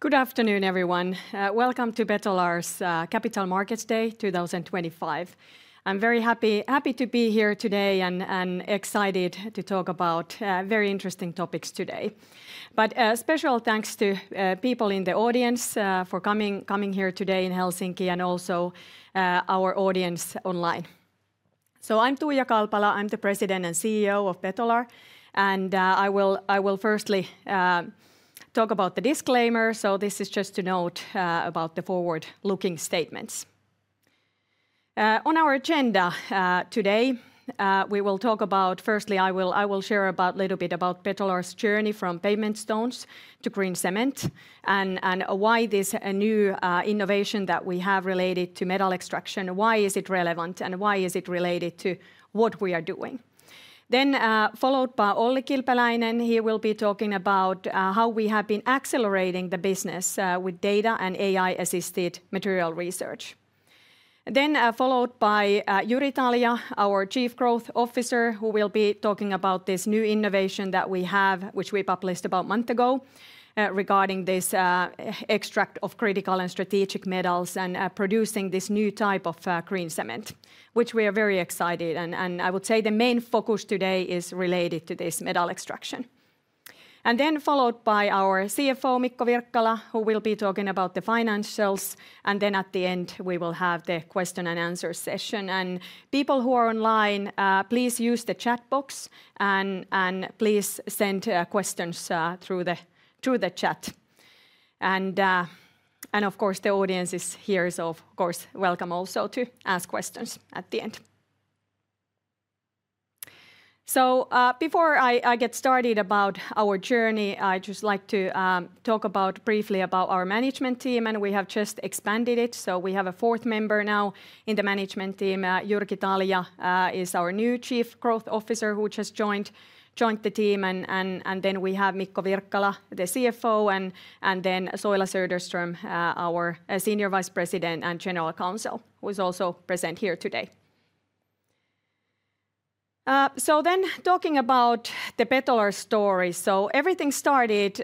Good afternoon, everyone. Welcome to Betolar's Capital Markets Day 2025. I'm very happy to be here today and excited to talk about very interesting topics today. Special thanks to people in the audience for coming here today in Helsinki and also our audience online. I'm Tuija Kalpala, I'm the President and CEO of Betolar, and I will firstly talk about the disclaimer. This is just to note about the forward-looking statements. On our agenda today, we will talk about, firstly, I will share a little bit about Betolar's journey from pavement stones to green cement and why this new innovation that we have related to metal extraction, why is it relevant and why is it related to what we are doing. Followed by Olli Kilpeläinen, he will be talking about how we have been accelerating the business with data and AI-assisted material research. Then followed by Jyri Talja, our Chief Growth Officer, who will be talking about this new innovation that we have, which we published about a month ago regarding this extract of critical and strategic metals and producing this new type of green cement, which we are very excited about. I would say the main focus today is related to this metal extraction. Then followed by our CFO, Mikko Wirkkala, who will be talking about the financials. At the end, we will have the question and answer session. People who are online, please use the chat box and please send questions through the chat. Of course, the audience here is, of course, welcome also to ask questions at the end. Before I get started about our journey, I just like to talk briefly about our management team, and we have just expanded it. We have a fourth member now in the management team. Jyri Talja is our new Chief Growth Officer who just joined the team. Then we have Mikko Wirkkala, the CFO, and Soila Söderström, our Senior Vice President and General Counsel, who is also present here today. Talking about the Betolar story, everything started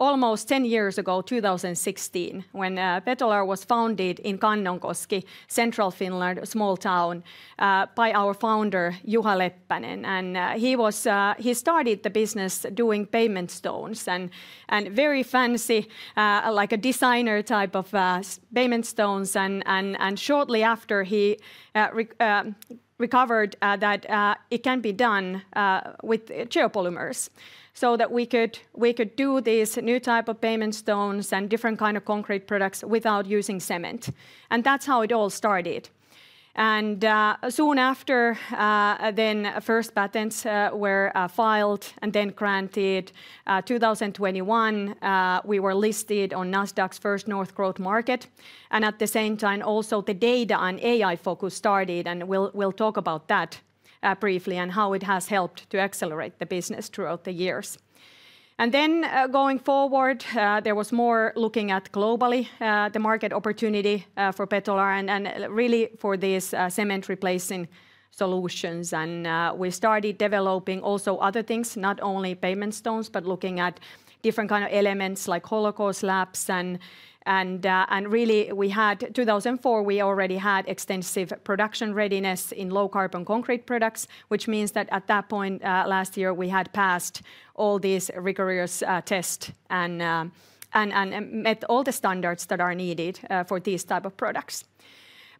almost 10 years ago, 2016, when Betolar was founded in Kannonkoski, Central Finland, a small town, by our founder, Juha Leppänen. He started the business doing pavement stones and very fancy, like a designer type of pavement stones. Shortly after, he discovered that it can be done with geopolymer so that we could do this new type of pavement stones and different kinds of concrete products without using cement. That is how it all started. Soon after, first patents were filed and then granted. In 2021, we were listed on Nasdaq First North Growth Market. At the same time, also the data and AI focus started, and we'll talk about that briefly and how it has helped to accelerate the business throughout the years. Going forward, there was more looking at globally, the market opportunity for Betolar and really for these cement replacing solutions. We started developing also other things, not only pavement stones, but looking at different kinds of elements like hollowcore slabs. Really, we had 2004, we already had extensive production readiness in low-carbon concrete products, which means that at that point last year, we had passed all these rigorous tests and met all the standards that are needed for these types of products.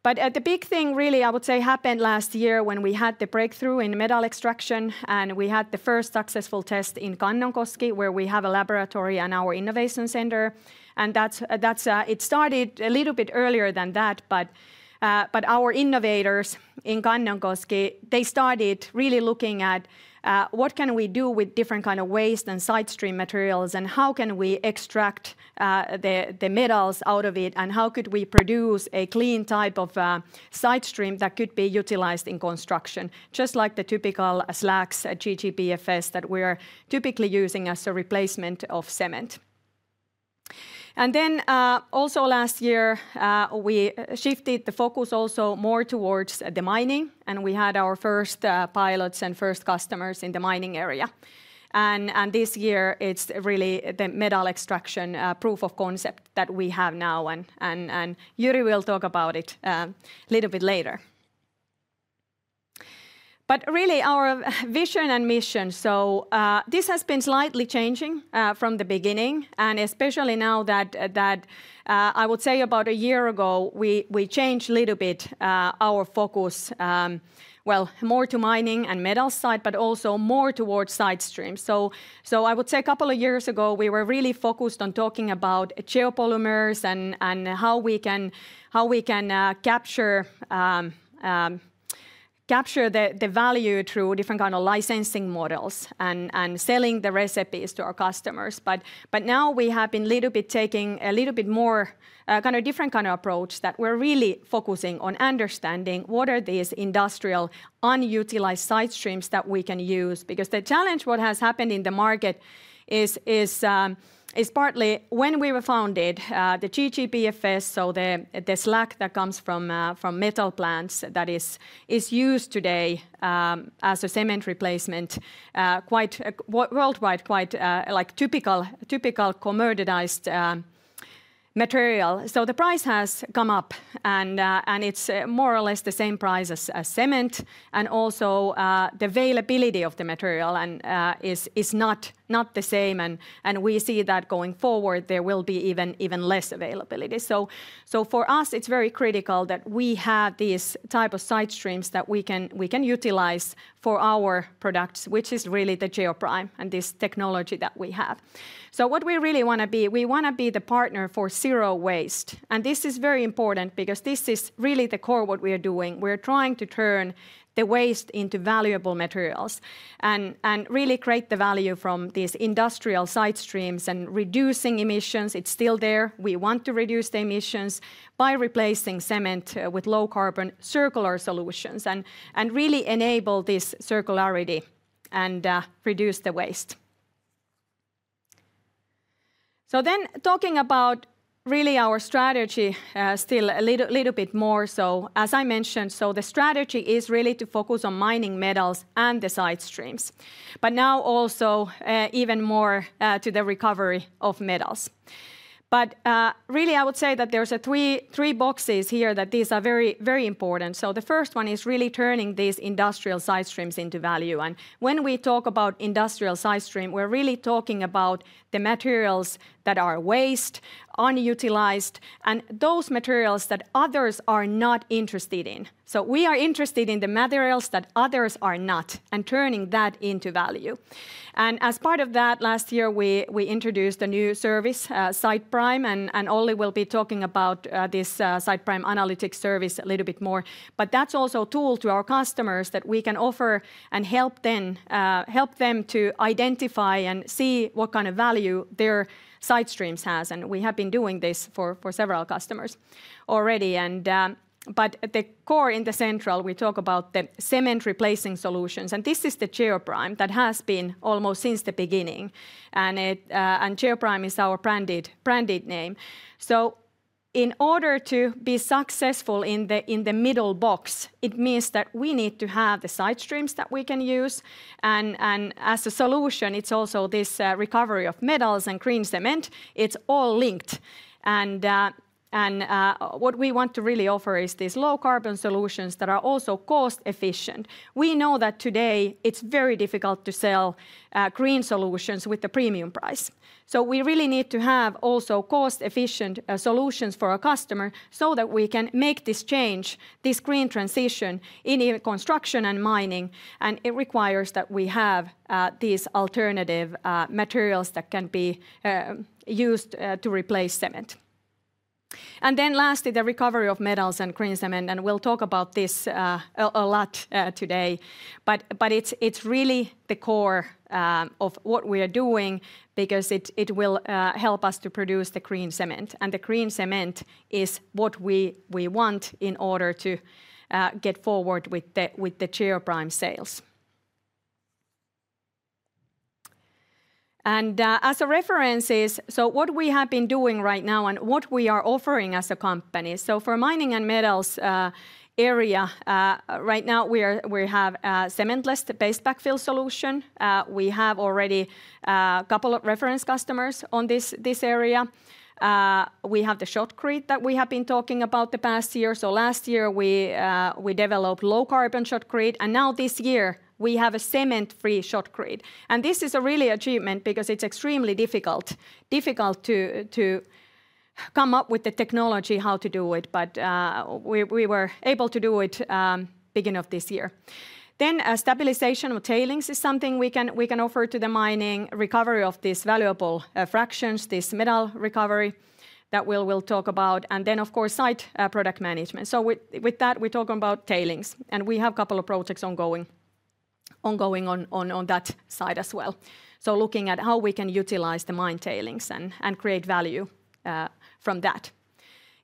The big thing really, I would say, happened last year when we had the breakthrough in metal extraction and we had the first successful test in Kannonkoski, where we have a laboratory and our innovation center. It started a little bit earlier than that, but our innovators in Kannonkoski, they started really looking at what can we do with different kinds of waste and side stream materials and how can we extract the metals out of it and how could we produce a clean type of side stream that could be utilized in construction, just like the typical slags, GGBFS, that we are typically using as a replacement of cement. Also last year, we shifted the focus more towards the mining and we had our first pilots and first customers in the mining area. This year, it's really the metal extraction proof of concept that we have now. Jyri will talk about it a little bit later. Our vision and mission, this has been slightly changing from the beginning, and especially now that I would say about a year ago, we changed a little bit our focus, more to mining and metal side, but also more towards side streams. I would say a couple of years ago, we were really focused on talking about geopolymer and how we can capture the value through different kinds of licensing models and selling the recipes to our customers. Now we have been taking a little bit more kind of different kind of approach that we're really focusing on understanding what are these industrial unutilized side streams that we can use. Because the challenge what has happened in the market is partly when we were founded, the GGBFS, so the slag that comes from metal plants that is used today as a cement replacement worldwide, quite like typical commoditized material. The price has come up and it is more or less the same price as cement. Also, the availability of the material is not the same. We see that going forward, there will be even less availability. For us, it is very critical that we have these types of side streams that we can utilize for our products, which is really the Geoprime and this technology that we have. What we really want to be, we want to be the partner for zero waste. This is very important because this is really the core of what we are doing. We are trying to turn the waste into valuable materials and really create the value from these industrial side streams and reducing emissions. It's still there. We want to reduce the emissions by replacing cement with low carbon circular solutions and really enable this circularity and reduce the waste. Talking about really our strategy still a little bit more. As I mentioned, the strategy is really to focus on mining metals and the side streams, now also even more to the recovery of metals. I would say that there are three boxes here that these are very important. The first one is really turning these industrial side streams into value. When we talk about industrial side stream, we're really talking about the materials that are waste, unutilized, and those materials that others are not interested in. We are interested in the materials that others are not and turning that into value. As part of that, last year, we introduced a new service, SitePrime, and Olli will be talking about this SitePrime analytics service a little bit more. That is also a tool to our customers that we can offer and help them to identify and see what kind of value their side streams have. We have been doing this for several customers already. The core in the central, we talk about the cement replacing solutions. This is the Geoprime that has been almost since the beginning. Geoprime is our branded name. In order to be successful in the middle box, it means that we need to have the side streams that we can use. As a solution, it is also this recovery of metals and green cement. It's all linked. What we want to really offer is these low carbon solutions that are also cost efficient. We know that today it's very difficult to sell green solutions with the premium price. We really need to have also cost efficient solutions for our customer so that we can make this change, this green transition in construction and mining. It requires that we have these alternative materials that can be used to replace cement. Lastly, the recovery of metals and green cement. We'll talk about this a lot today. It's really the core of what we are doing because it will help us to produce the green cement. The green cement is what we want in order to get forward with the Geoprime sales. As a reference, what we have been doing right now and what we are offering as a company. For mining and metals area, right now we have a cementless base backfill solution. We have already a couple of reference customers in this area. We have the shotcrete that we have been talking about the past year. Last year, we developed low-carbon shotcrete. Now this year, we have a cement-free shotcrete. This is a real achievement because it is extremely difficult to come up with the technology for how to do it. We were able to do it at the beginning of this year. Stabilization of tailings is something we can offer to mining, recovery of these valuable fractions, this metal recovery that we will talk about. Of course, site product management. With that, we are talking about tailings. We have a couple of projects ongoing on that side as well. Looking at how we can utilize the mine tailings and create value from that.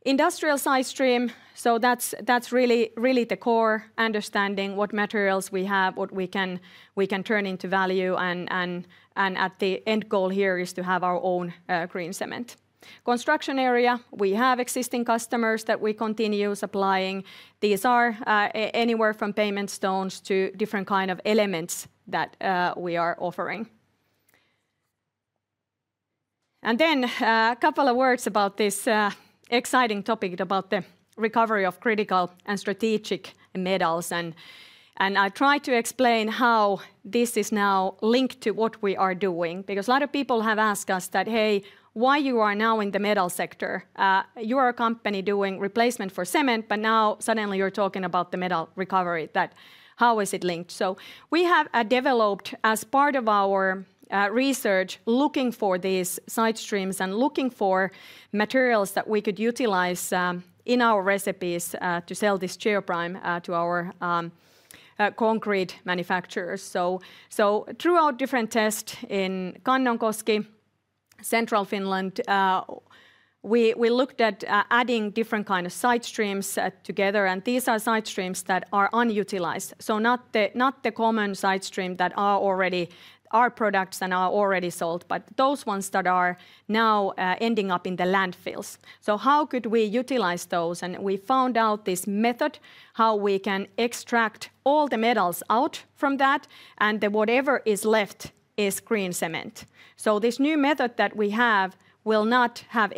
Industrial side stream, so that is really the core, understanding what materials we have, what we can turn into value. The end goal here is to have our own green cement. In the construction area, we have existing customers that we continue supplying. These are anywhere from pavement stones to different kinds of elements that we are offering. A couple of words about this exciting topic about the recovery of critical and strategic metals. I try to explain how this is now linked to what we are doing because a lot of people have asked us, hey, why are you now in the metal sector? You are a company doing replacement for cement, but now suddenly you're talking about the metal recovery, how is it linked? We have developed as part of our research looking for these side streams and looking for materials that we could utilize in our recipes to sell this Geoprime to our concrete manufacturers. Throughout different tests in Kannonkoski, Central Finland, we looked at adding different kinds of side streams together. These are side streams that are unutilized, not the common side streams that are already our products and are already sold, but those ones that are now ending up in the landfills. How could we utilize those? We found out this method, how we can extract all the metals out from that, and whatever is left is green cement. This new method that we have will not have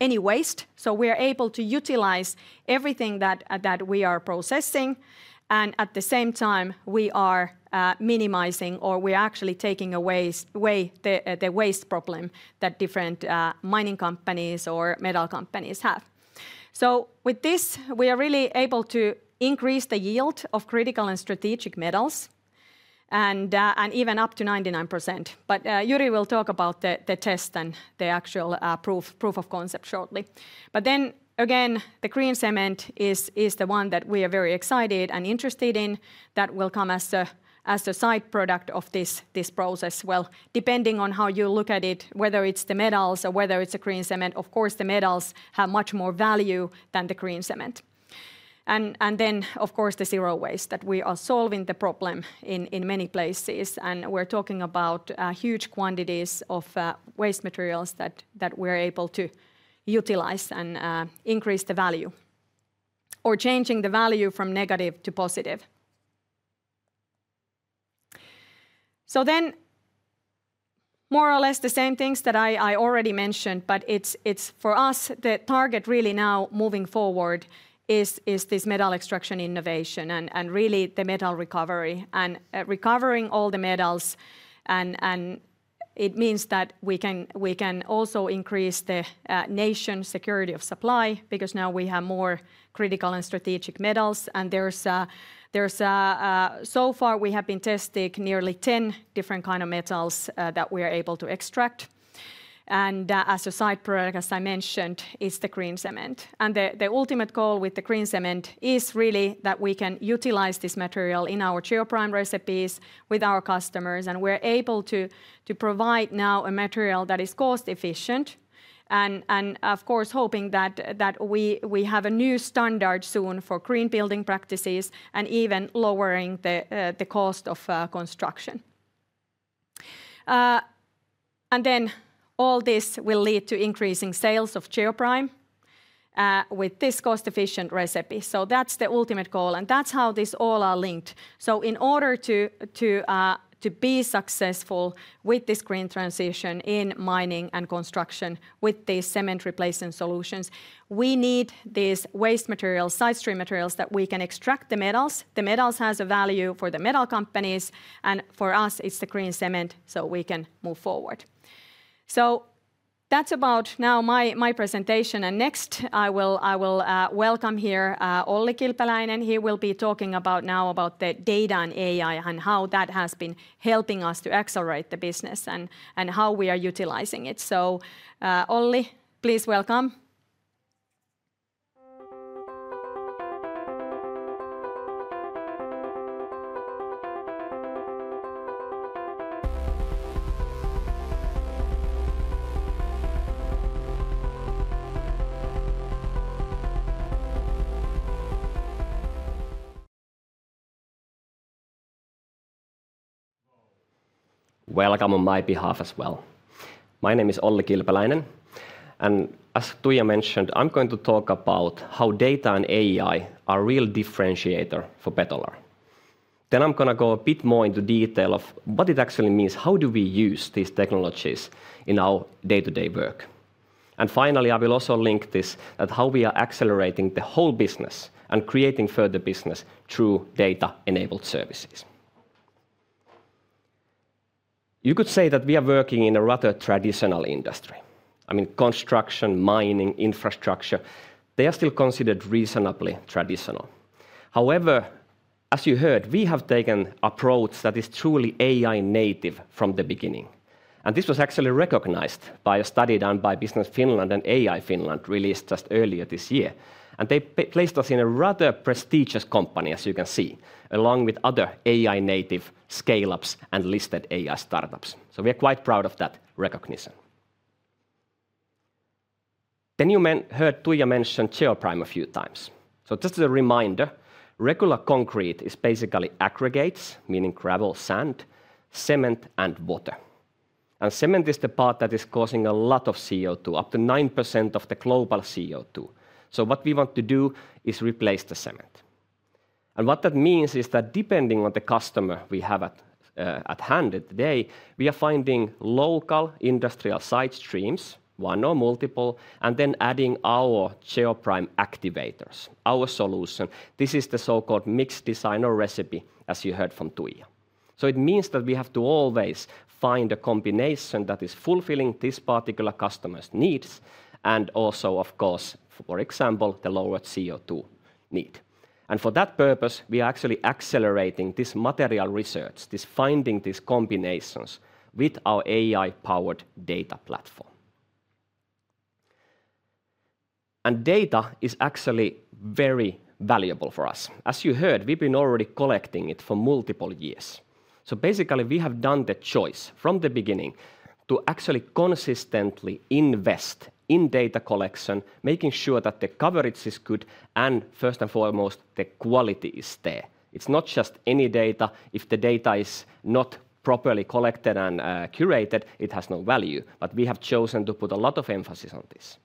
any waste. We are able to utilize everything that we are processing. At the same time, we are minimizing or we are actually taking away the waste problem that different mining companies or metal companies have. With this, we are really able to increase the yield of critical and strategic metals and even up to 99%. Jyri will talk about the test and the actual proof of concept shortly. The green cement is the one that we are very excited and interested in that will come as a side product of this process. Depending on how you look at it, whether it is the metals or whether it is the green cement, of course, the metals have much more value than the green cement. Of course, the zero waste that we are solving is the problem in many places. We're talking about huge quantities of waste materials that we're able to utilize and increase the value or change the value from negative to positive. More or less the same things that I already mentioned, but for us, the target really now moving forward is this metal extraction innovation and really the metal recovery and recovering all the metals. It means that we can also increase the nation's security of supply because now we have more critical and strategic metals. So far, we have been testing nearly 10 different kinds of metals that we are able to extract. As a side product, as I mentioned, is the green cement. The ultimate goal with the green cement is really that we can utilize this material in our Geoprime recipes with our customers. We're able to provide now a material that is cost efficient. Of course, hoping that we have a new standard soon for green building practices and even lowering the cost of construction. All this will lead to increasing sales of Geoprime with this cost efficient recipe. That is the ultimate goal. That is how these all are linked. In order to be successful with this green transition in mining and construction with these cement replacement solutions, we need these waste materials, side stream materials that we can extract the metals. The metals have a value for the metal companies. For us, it is the green cement so we can move forward. That is about now my presentation. Next, I will welcome here Olli Kilpeläinen. He will be talking now about the data and AI and how that has been helping us to accelerate the business and how we are utilizing it. Olli, please welcome. Welcome on my behalf as well. My name is Olli Kilpeläinen. And as Tuija mentioned, I'm going to talk about how data and AI are a real differentiator for Betolar. Then I'm going to go a bit more into detail of what it actually means, how do we use these technologies in our day-to-day work. Finally, I will also link this at how we are accelerating the whole business and creating further business through data-enabled services. You could say that we are working in a rather traditional industry. I mean, construction, mining, infrastructure, they are still considered reasonably traditional. However, as you heard, we have taken an approach that is truly AI-native from the beginning. This was actually recognized by a study done by Business Finland and AI Finland released just earlier this year. They placed us in a rather prestigious company, as you can see, along with other AI-native scale-ups and listed AI startups. We are quite proud of that recognition. You heard Tuija mention Geoprime a few times. Just as a reminder, regular concrete is basically aggregates, meaning gravel, sand, cement, and water. Cement is the part that is causing a lot of CO2, up to 9% of the global CO2. What we want to do is replace the cement. What that means is that depending on the customer we have at hand today, we are finding local industrial side streams, one or multiple, and then adding our Geoprime activators, our solution. This is the so-called mixed design or recipe, as you heard from Tuija. It means that we have to always find a combination that is fulfilling these particular customers' needs and also, of course, for example, the lowered CO2 need. For that purpose, we are actually accelerating this material research, this finding these combinations with our AI-powered data platform. Data is actually very valuable for us. As you heard, we've been already collecting it for multiple years. Basically, we have done the choice from the beginning to actually consistently invest in data collection, making sure that the coverage is good and first and foremost, the quality is there. It's not just any data. If the data is not properly collected and curated, it has no value. We have chosen to put a lot of emphasis on this.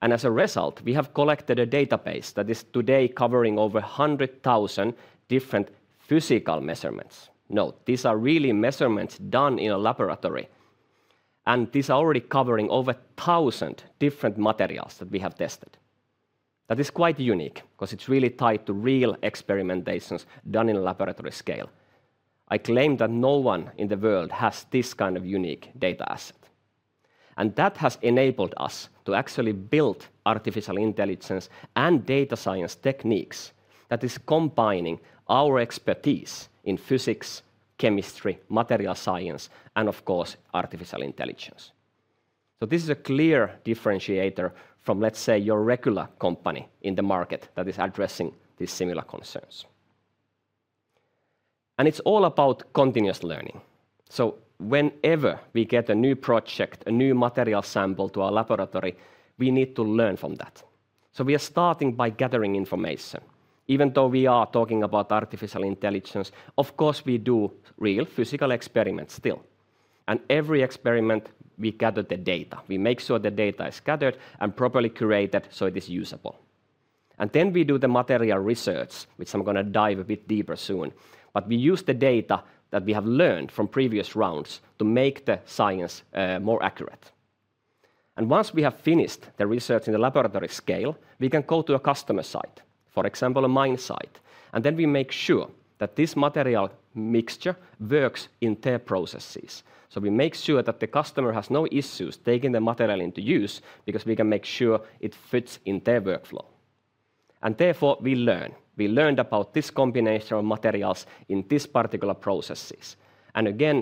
As a result, we have collected a database that is today covering over 100,000 different physical measurements. No, these are really measurements done in a laboratory. And these are already covering over 1,000 different materials that we have tested. That is quite unique because it's really tied to real experimentations done in a laboratory scale. I claim that no one in the world has this kind of unique data asset. And that has enabled us to actually build artificial intelligence and data science techniques that is combining our expertise in physics, chemistry, material science, and of course, artificial intelligence. This is a clear differentiator from, let's say, your regular company in the market that is addressing these similar concerns. It's all about continuous learning. Whenever we get a new project, a new material sample to our laboratory, we need to learn from that. We are starting by gathering information. Even though we are talking about artificial intelligence, of course, we do real physical experiments still. Every experiment, we gather the data. We make sure the data is gathered and properly curated so it is usable. We do the material research, which I'm going to dive a bit deeper soon. We use the data that we have learned from previous rounds to make the science more accurate. Once we have finished the research in the laboratory scale, we can go to a customer site, for example, a mine site. We make sure that this material mixture works in their processes. We make sure that the customer has no issues taking the material into use because we can make sure it fits in their workflow. Therefore, we learn. We learned about this combination of materials in these particular processes.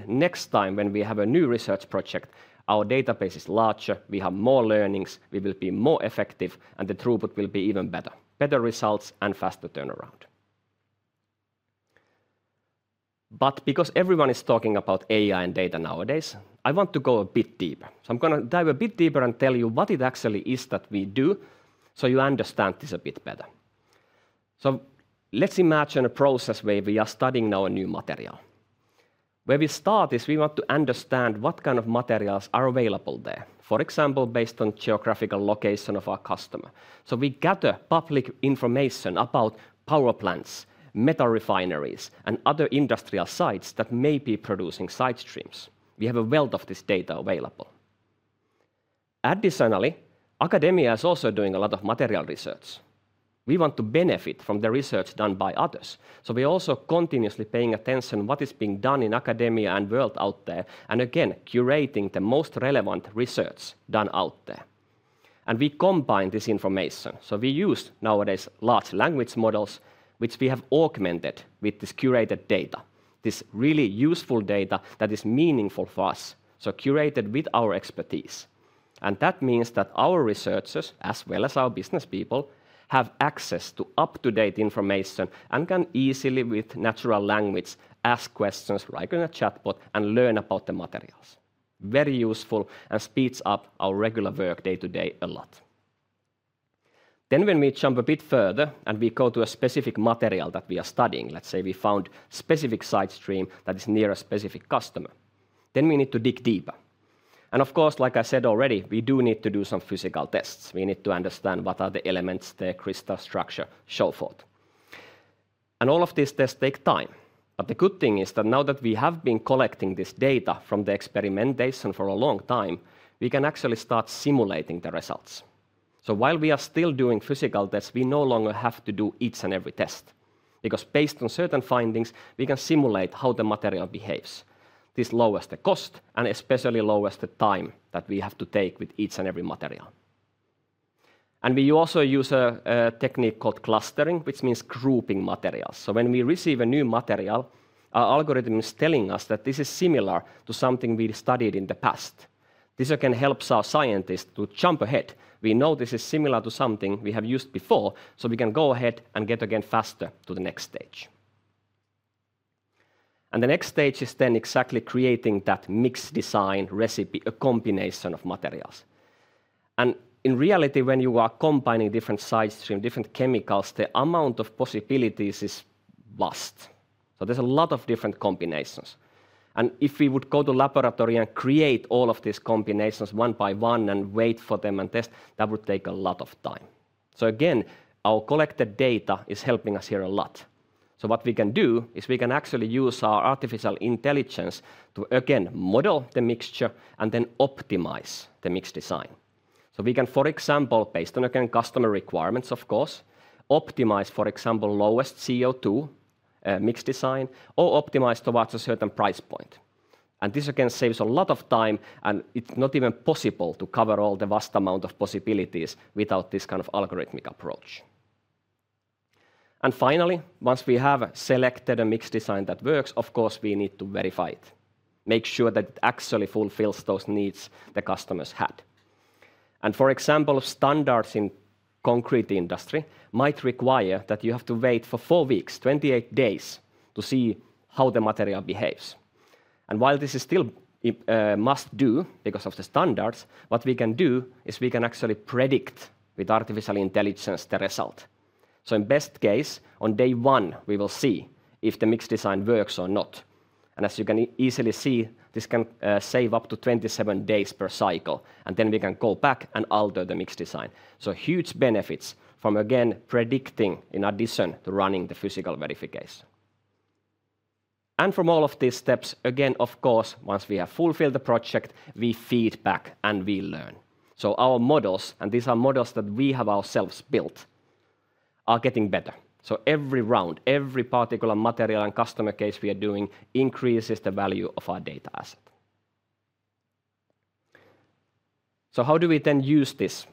Next time when we have a new research project, our database is larger, we have more learnings, we will be more effective, and the throughput will be even better, better results and faster turnaround. Because everyone is talking about AI and data nowadays, I want to go a bit deeper. I'm going to dive a bit deeper and tell you what it actually is that we do so you understand this a bit better. Let's imagine a process where we are studying our new material. Where we start is we want to understand what kind of materials are available there, for example, based on geographical location of our customer. We gather public information about power plants, metal refineries, and other industrial sites that may be producing side streams. We have a wealth of this data available. Additionally, academia is also doing a lot of material research. We want to benefit from the research done by others. We are also continuously paying attention to what is being done in academia and world out there, and again, curating the most relevant research done out there. We combine this information. We use nowadays large language models, which we have augmented with this curated data, this really useful data that is meaningful for us, curated with our expertise. That means that our researchers, as well as our business people, have access to up-to-date information and can easily, with natural language, ask questions right in a chatbot and learn about the materials. Very useful and speeds up our regular work day-to-day a lot. When we jump a bit further and we go to a specific material that we are studying, let's say we found a specific side stream that is near a specific customer, we need to dig deeper. Of course, like I said already, we do need to do some physical tests. We need to understand what are the elements, their crystal structure, so forth. All of these tests take time. The good thing is that now that we have been collecting this data from the experimentation for a long time, we can actually start simulating the results. While we are still doing physical tests, we no longer have to do each and every test because based on certain findings, we can simulate how the material behaves. This lowers the cost and especially lowers the time that we have to take with each and every material. We also use a technique called clustering, which means grouping materials. When we receive a new material, our algorithm is telling us that this is similar to something we studied in the past. This again helps our scientists to jump ahead. We know this is similar to something we have used before, so we can go ahead and get again faster to the next stage. The next stage is then exactly creating that mixed design recipe, a combination of materials. In reality, when you are combining different side streams, different chemicals, the amount of possibilities is vast. There are a lot of different combinations. If we would go to a laboratory and create all of these combinations one by one and wait for them and test, that would take a lot of time. Our collected data is helping us here a lot. What we can do is we can actually use our artificial intelligence to again model the mixture and then optimize the mixed design. We can, for example, based on again customer requirements, of course, optimize, for example, lowest CO2 mixed design or optimize towards a certain price point. This again saves a lot of time, and it's not even possible to cover all the vast amount of possibilities without this kind of algorithmic approach. Finally, once we have selected a mixed design that works, of course, we need to verify it, make sure that it actually fulfills those needs the customers had. For example, standards in the concrete industry might require that you have to wait for four weeks, 28 days, to see how the material behaves. While this is still a must-do because of the standards, what we can do is we can actually predict with artificial intelligence the result. In best case, on day one, we will see if the mixed design works or not. As you can easily see, this can save up to 27 days per cycle, and we can go back and alter the mixed design. Huge benefits from again predicting in addition to running the physical verification. From all of these steps, of course, once we have fulfilled the project, we feed back and we learn. Our models, and these are models that we have ourselves built, are getting better. Every round, every particular material and customer case we are doing increases the value of our data asset. How do we then use this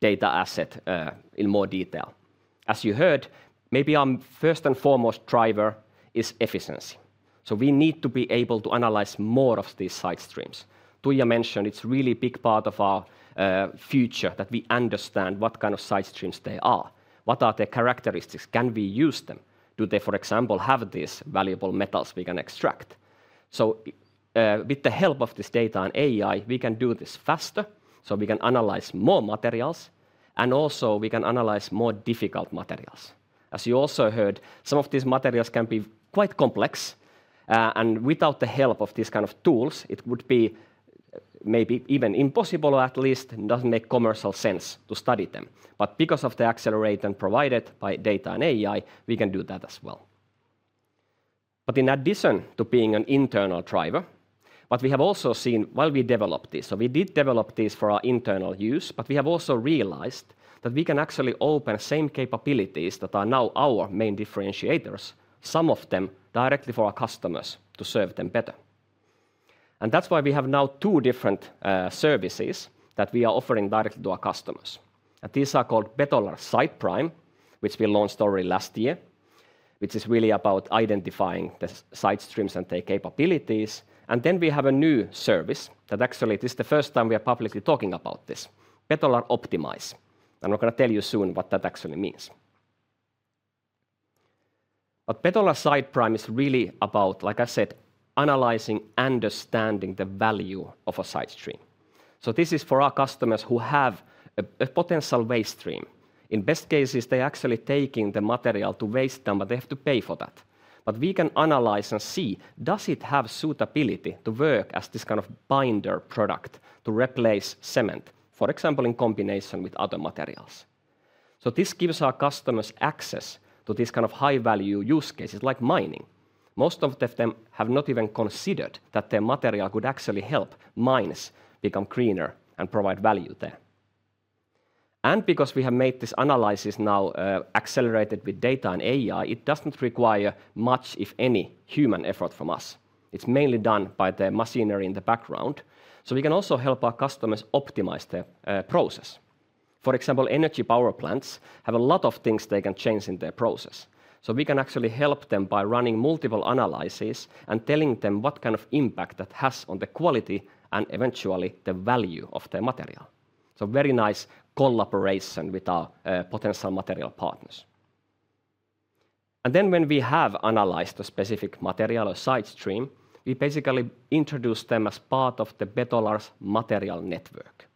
data asset in more detail? As you heard, maybe our first and foremost driver is efficiency. We need to be able to analyze more of these side streams. Tuija mentioned it's a really big part of our future that we understand what kind of side streams they are. What are their characteristics? Can we use them? Do they, for example, have these valuable metals we can extract? With the help of this data and AI, we can do this faster. We can analyze more materials, and also we can analyze more difficult materials. As you also heard, some of these materials can be quite complex, and without the help of these kind of tools, it would be maybe even impossible or at least doesn't make commercial sense to study them. Because of the accelerator provided by data and AI, we can do that as well. In addition to being an internal driver, what we have also seen while we develop this, we did develop this for our internal use, but we have also realized that we can actually open same capabilities that are now our main differentiators, some of them directly for our customers to serve them better. That is why we have now two different services that we are offering directly to our customers. These are called Betolar SitePrime, which we launched already last year, which is really about identifying the side streams and their capabilities. We have a new service that actually is the first time we are publicly talking about this, Betolar Optimize. We are going to tell you soon what that actually means. Betolar SitePrime is really about, like I said, analyzing and understanding the value of a side stream. This is for our customers who have a potential waste stream. In best cases, they are actually taking the material to waste them, but they have to pay for that. We can analyze and see, does it have suitability to work as this kind of binder product to replace cement, for example, in combination with other materials? This gives our customers access to this kind of high-value use cases like mining. Most of them have not even considered that their material could actually help mines become greener and provide value there. Because we have made this analysis now accelerated with data and AI, it does not require much, if any, human effort from us. It is mainly done by the machinery in the background. We can also help our customers optimize the process. For example, energy power plants have a lot of things they can change in their process. We can actually help them by running multiple analyses and telling them what kind of impact that has on the quality and eventually the value of their material. Very nice collaboration with our potential material partners. When we have analyzed a specific material or side stream, we basically introduce them as part of Betolar's material network.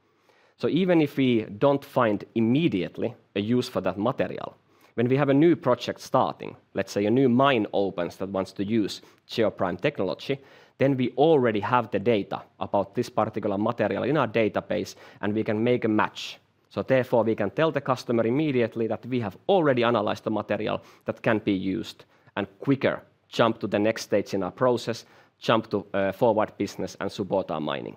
Even if we do not find immediately a use for that material, when we have a new project starting, let's say a new mine opens that wants to use Geoprime technology, we already have the data about this particular material in our database, and we can make a match. Therefore, we can tell the customer immediately that we have already analyzed a material that can be used and quicker jump to the next stage in our process, jump to forward business and support our mining.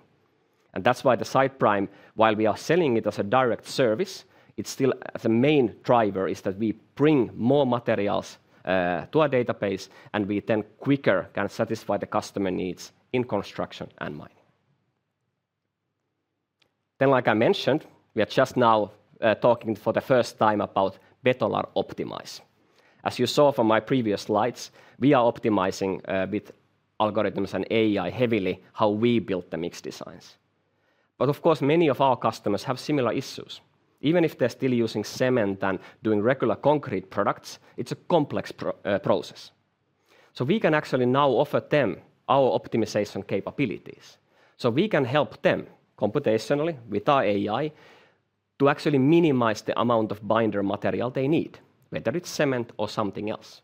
That is why the SitePrime, while we are selling it as a direct service, the main driver is that we bring more materials to our database, and we then quicker can satisfy the customer needs in construction and mining. Like I mentioned, we are just now talking for the first time about Betolar Optimize. As you saw from my previous slides, we are optimizing with algorithms and AI heavily how we build the mixed designs. Of course, many of our customers have similar issues. Even if they're still using cement and doing regular concrete products, it is a complex process. We can actually now offer them our optimization capabilities. We can help them computationally with our AI to actually minimize the amount of binder material they need, whether it is cement or something else.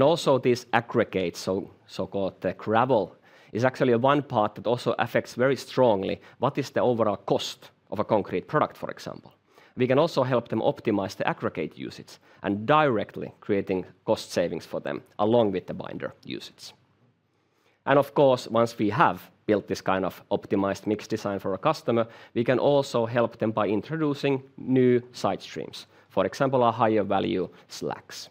Also, this aggregate, so-called gravel, is actually one part that also affects very strongly what is the overall cost of a concrete product, for example. We can also help them optimize the aggregate usage and directly create cost savings for them along with the binder usage. Of course, once we have built this kind of optimized mixed design for a customer, we can also help them by introducing new side streams, for example, our higher value slags.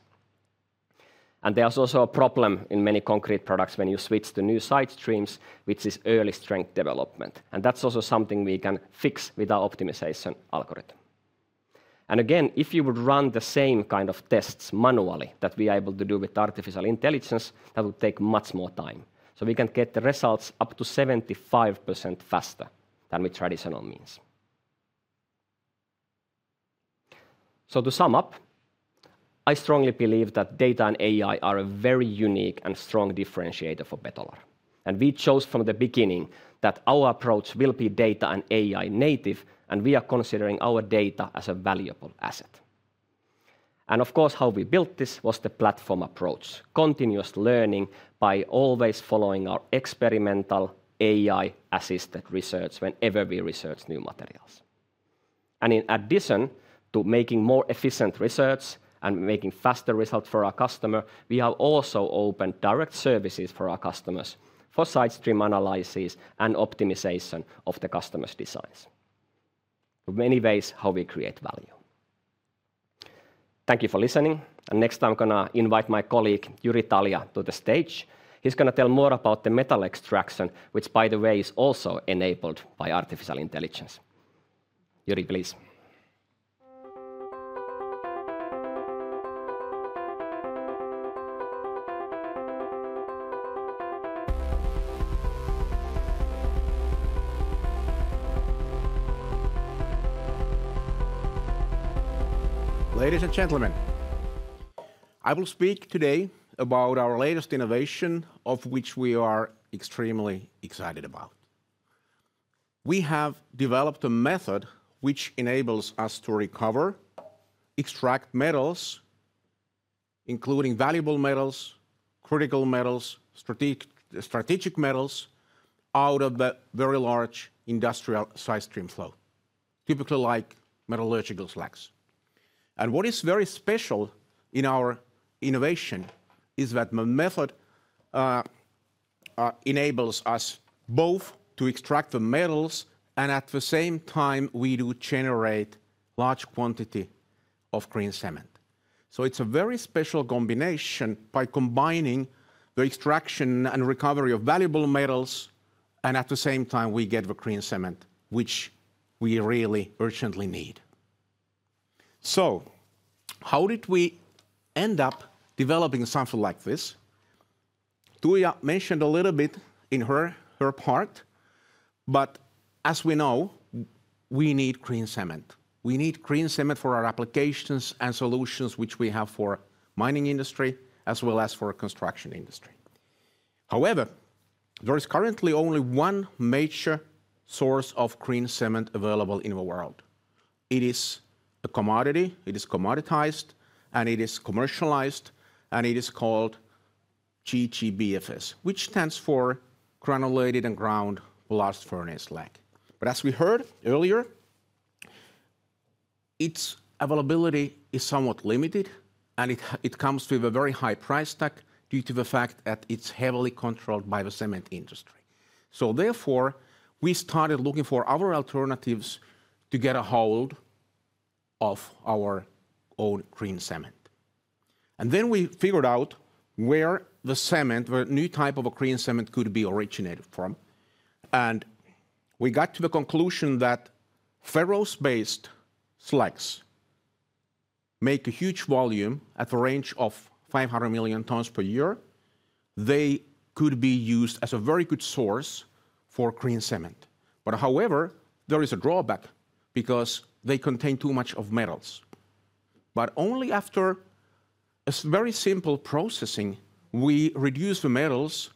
There is also a problem in many concrete products when you switch to new side streams, which is early strength development. That is also something we can fix with our optimization algorithm. If you would run the same kind of tests manually that we are able to do with artificial intelligence, that would take much more time. We can get the results up to 75% faster than with traditional means. To sum up, I strongly believe that data and AI are a very unique and strong differentiator for Betolar. We chose from the beginning that our approach will be data and AI native, and we are considering our data as a valuable asset. Of course, how we built this was the platform approach, continuous learning by always following our experimental AI-assisted research whenever we research new materials. In addition to making more efficient research and making faster results for our customer, we have also opened direct services for our customers for side stream analyses and optimization of the customer's designs. In many ways, how we create value. Thank you for listening. Next time, I'm going to invite my colleague, Jyri Talja, to the stage. He's going to tell more about the metal extraction, which, by the way, is also enabled by artificial intelligence. Jyri, please. Ladies and gentlemen, I will speak today about our latest innovation, of which we are extremely excited about. We have developed a method which enables us to recover, extract metals, including valuable metals, critical metals, strategic metals out of a very large industrial side stream flow, typically like metallurgical slags. What is very special in our innovation is that the method enables us both to extract the metals, and at the same time, we do generate a large quantity of green cement. It's a very special combination by combining the extraction and recovery of valuable metals, and at the same time, we get the green cement, which we really urgently need. How did we end up developing something like this? Tuija mentioned a little bit in her part, but as we know, we need green cement. We need green cement for our applications and solutions, which we have for the mining industry as well as for the construction industry. However, there is currently only one major source of green cement available in the world. It is a commodity, it is commoditized, and it is commercialized, and it is called GGBFS, which stands for granulated ground blast furnace slag. As we heard earlier, its availability is somewhat limited, and it comes with a very high price tag due to the fact that it's heavily controlled by the cement industry. Therefore, we started looking for other alternatives to get a hold of our own green cement. Then we figured out where the cement, the new type of green cement, could be originated from. We got to the conclusion that ferrous-based slags make a huge volume at a range of 500 million tons per year. They could be used as a very good source for green cement. However, there is a drawback because they contain too much of metals. Only after a very simple processing, we reduce the metals,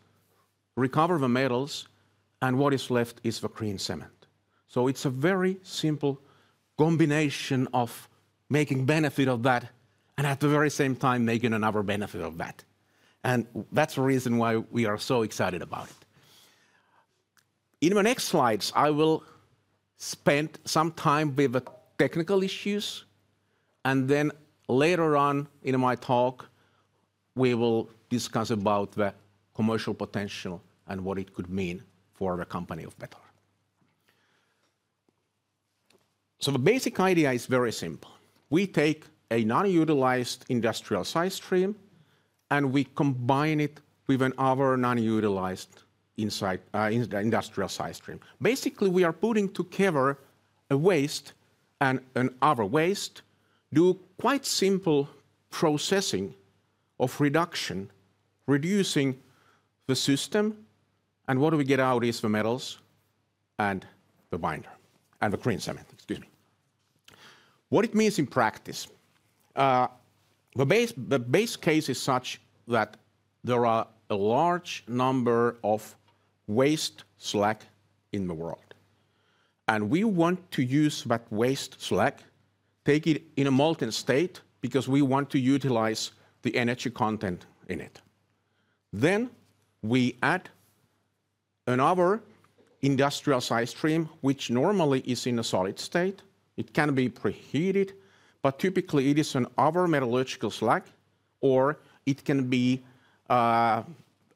recover the metals, and what is left is the green cement. It is a very simple combination of making benefit of that and at the very same time making another benefit of that. That is the reason why we are so excited about it. In my next slides, I will spend some time with the technical issues, and then later on in my talk, we will discuss about the commercial potential and what it could mean for the company of Betolar. The basic idea is very simple. We take a non-utilized industrial side stream, and we combine it with another non-utilized industrial side stream. Basically, we are putting together a waste and another waste, do quite simple processing of reduction, reducing the system, and what we get out is the metals and the binder and the green cement, excuse me. What it means in practice, the base case is such that there are a large number of waste slag in the world. We want to use that waste slag, take it in a molten state because we want to utilize the energy content in it. We add another industrial side stream, which normally is in a solid state. It can be preheated, but typically it is another metallurgical slag, or it can be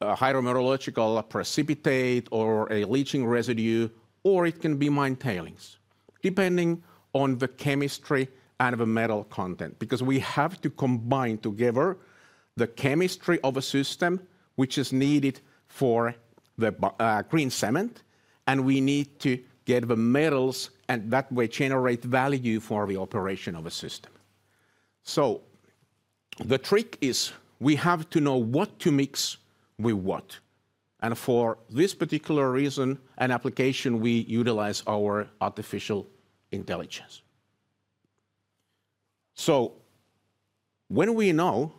a hydrometallurgical precipitate or a leaching residue, or it can be mine tailings, depending on the chemistry and the metal content, because we have to combine together the chemistry of a system, which is needed for the green cement, and we need to get the metals and that way generate value for the operation of a system. The trick is we have to know what to mix with what. For this particular reason and application, we utilize our artificial intelligence. When we know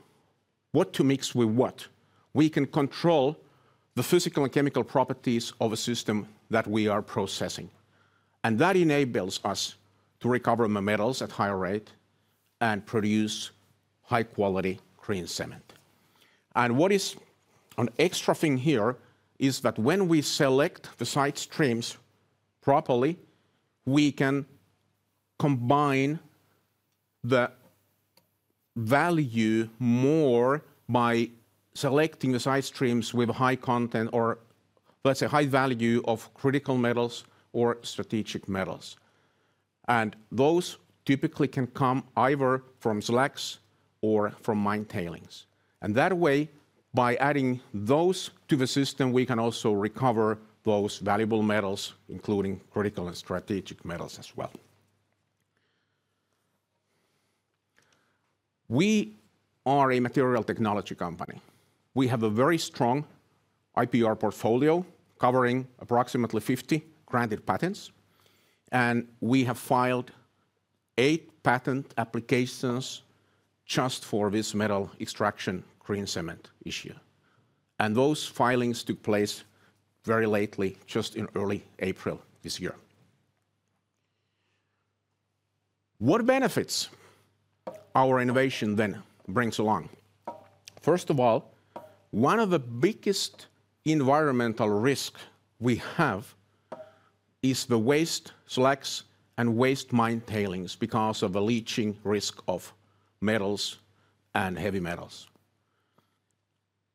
what to mix with what, we can control the physical and chemical properties of a system that we are processing. That enables us to recover metals at higher rate and produce high-quality green cement. What is an extra thing here is that when we select the side streams properly, we can combine the value more by selecting the side streams with high content or, let's say, high value of critical metals or strategic metals. Those typically can come either from slags or from mine tailings. That way, by adding those to the system, we can also recover those valuable metals, including critical and strategic metals as well. We are a material technology company. We have a very strong IPR portfolio covering approximately 50 granted patents, and we have filed eight patent applications just for this metal extraction green cement issue. Those filings took place very lately, just in early April this year. What benefits does our innovation then bring along? First of all, one of the biggest environmental risks we have is the waste slags and waste mine tailings because of the leaching risk of metals and heavy metals.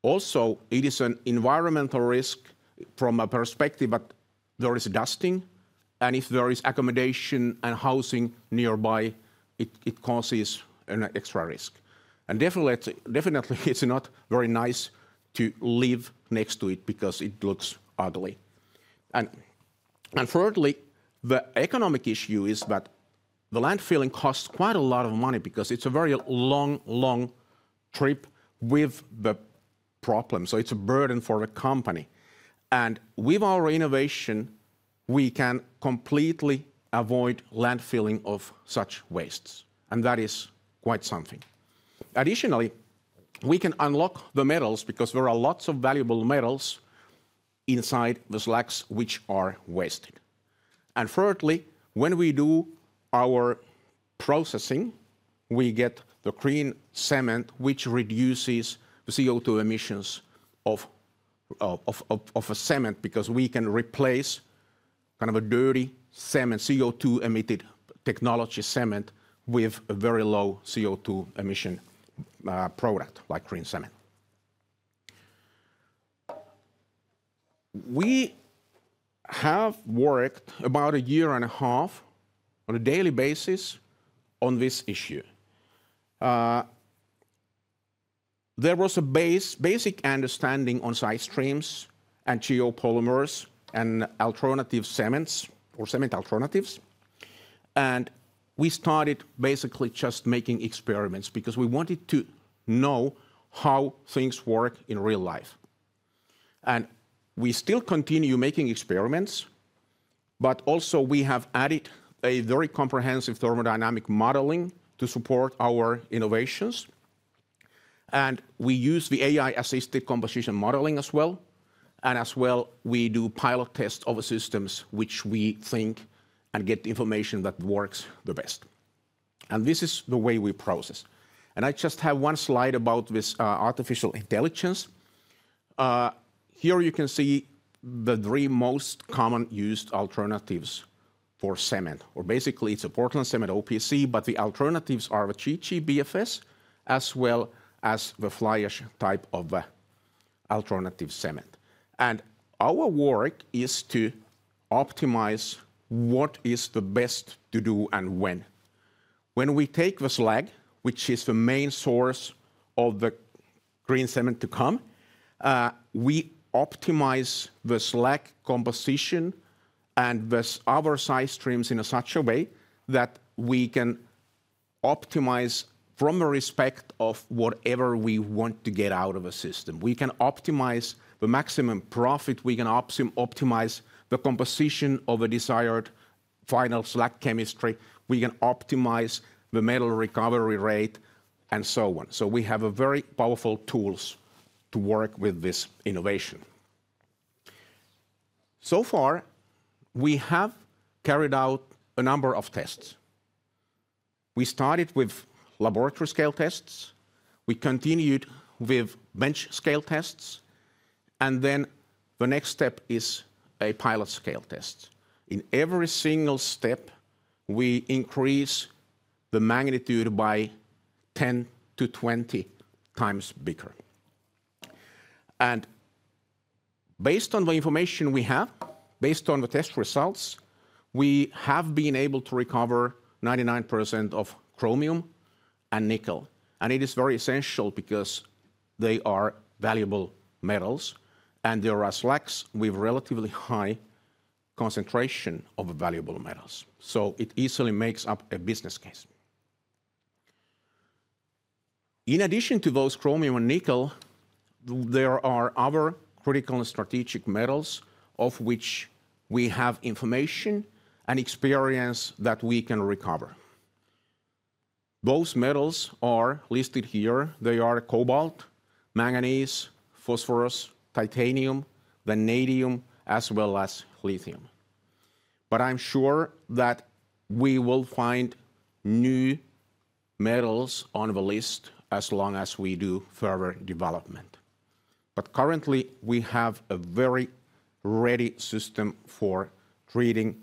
Also, it is an environmental risk from a perspective that there is dusting, and if there is accommodation and housing nearby, it causes an extra risk. It is definitely not very nice to live next to it because it looks ugly. Thirdly, the economic issue is that the landfilling costs quite a lot of money because it's a very long, long trip with the problem. It is a burden for the company. With our innovation, we can completely avoid landfilling of such wastes. That is quite something. Additionally, we can unlock the metals because there are lots of valuable metals inside the slags, which are wasted. Thirdly, when we do our processing, we get the green cement, which reduces the CO2 emissions of a cement because we can replace kind of a dirty cement, CO2-emitted technology cement with a very low CO2 emission product like green cement. We have worked about a year and a half on a daily basis on this issue. There was a basic understanding on side streams and geopolymer and alternative cements or cement alternatives. We started basically just making experiments because we wanted to know how things work in real life. We still continue making experiments, but also we have added a very comprehensive thermodynamic modeling to support our innovations. We use the AI-assisted composition modeling as well. As well, we do pilot tests of the systems, which we think and get information that works the best. This is the way we process. I just have one slide about this artificial intelligence. Here you can see the three most common used alternatives for cement, or basically it is a Portland cement OPC, but the alternatives are the GGBFS as well as the fly ash type of alternative cement. Our work is to optimize what is the best to do and when. When we take the slag, which is the main source of the green cement to come, we optimize the slag composition and the other side streams in such a way that we can optimize from the respect of whatever we want to get out of a system. We can optimize the maximum profit. We can optimize the composition of a desired final slag chemistry. We can optimize the metal recovery rate and so on. We have very powerful tools to work with this innovation. So far, we have carried out a number of tests. We started with laboratory scale tests. We continued with bench scale tests. The next step is a pilot scale test. In every single step, we increase the magnitude by 10-20 times bigger. Based on the information we have, based on the test results, we have been able to recover 99% of chromium and nickel. It is very essential because they are valuable metals, and there are slags with relatively high concentration of valuable metals. It easily makes up a business case. In addition to those chromium and nickel, there are other critical and strategic metals of which we have information and experience that we can recover. Those metals are listed here. They are cobalt, manganese, phosphorus, titanium, vanadium, as well as lithium. I'm sure that we will find new metals on the list as long as we do further development. Currently, we have a very ready system for treating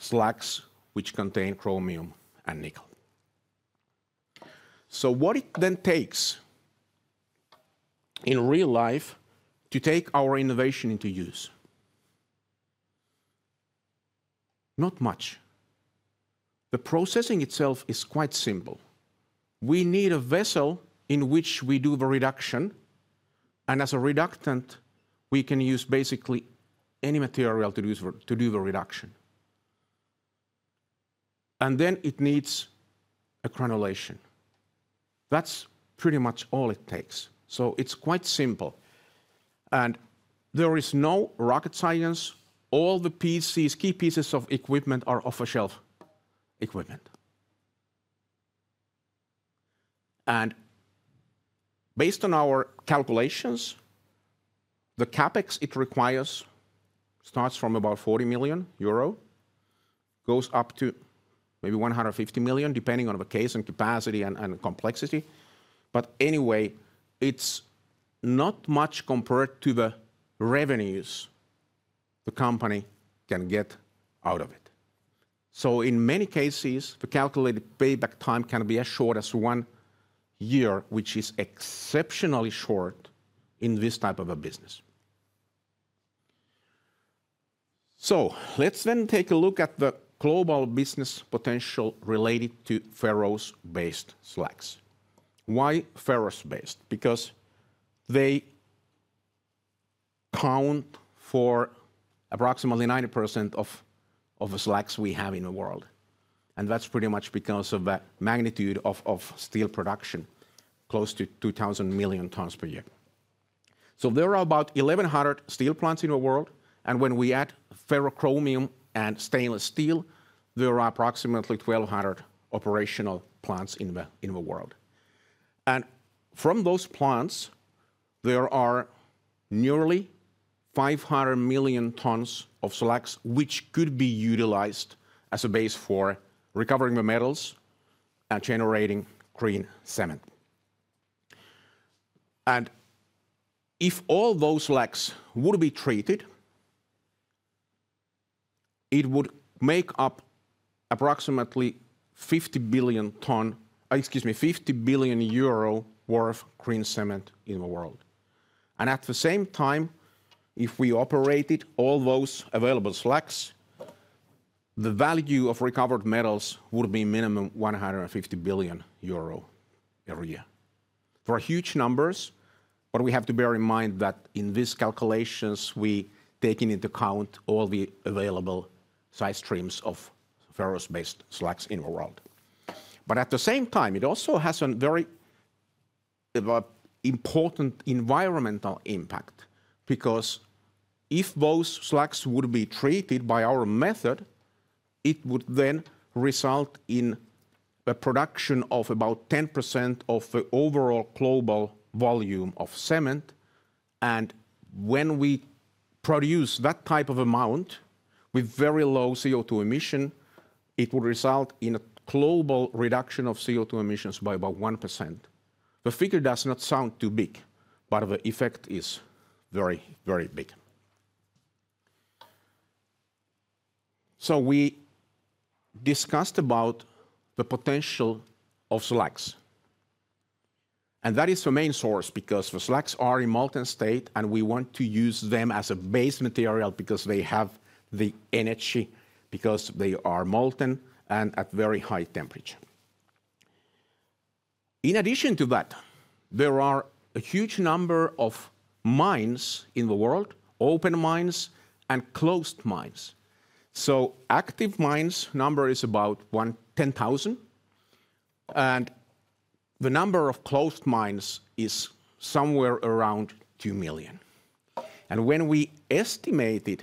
slags, which contain chromium and nickel. What it then takes in real life to take our innovation into use? Not much. The processing itself is quite simple. We need a vessel in which we do the reduction. As a reductant, we can use basically any material to do the reduction. Then it needs a granulation. That's pretty much all it takes. It's quite simple. There is no rocket science. All the key pieces of equipment are off-the-shelf equipment. Based on our calculations, the CapEx it requires starts from about 40 million euro, goes up to maybe 150 million, depending on the case and capacity and complexity. Anyway, it's not much compared to the revenues the company can get out of it. In many cases, the calculated payback time can be as short as one year, which is exceptionally short in this type of a business. Let's then take a look at the global business potential related to ferrous-based slags. Why ferrous-based? Because they account for approximately 90% of the slags we have in the world. That's pretty much because of the magnitude of steel production, close to 2,000 million tons per year. There are about 1,100 steel plants in the world. When we add ferrochromium and stainless steel, there are approximately 1,200 operational plants in the world. From those plants, there are nearly 500 million tons of slags, which could be utilized as a base for recovering the metals and generating green cement. If all those slags would be treated, it would make up approximately 50 billion euro worth of green cement in the world. At the same time, if we operated all those available slags, the value of recovered metals would be minimum 150 billion euro every year. These are huge numbers, but we have to bear in mind that in these calculations, we take into account all the available side streams of ferrous-based slags in the world. At the same time, it also has a very important environmental impact because if those slags would be treated by our method, it would then result in a production of about 10% of the overall global volume of cement. When we produce that type of amount with very low CO2 emission, it would result in a global reduction of CO2 emissions by about 1%. The figure does not sound too big, but the effect is very, very big. We discussed about the potential of slags, and that is the main source because the slags are in molten state, and we want to use them as a base material because they have the energy, because they are molten and at very high temperature. In addition to that, there are a huge number of mines in the world, open mines and closed mines. Active mines number is about 10,000, and the number of closed mines is somewhere around 2 million. When we estimated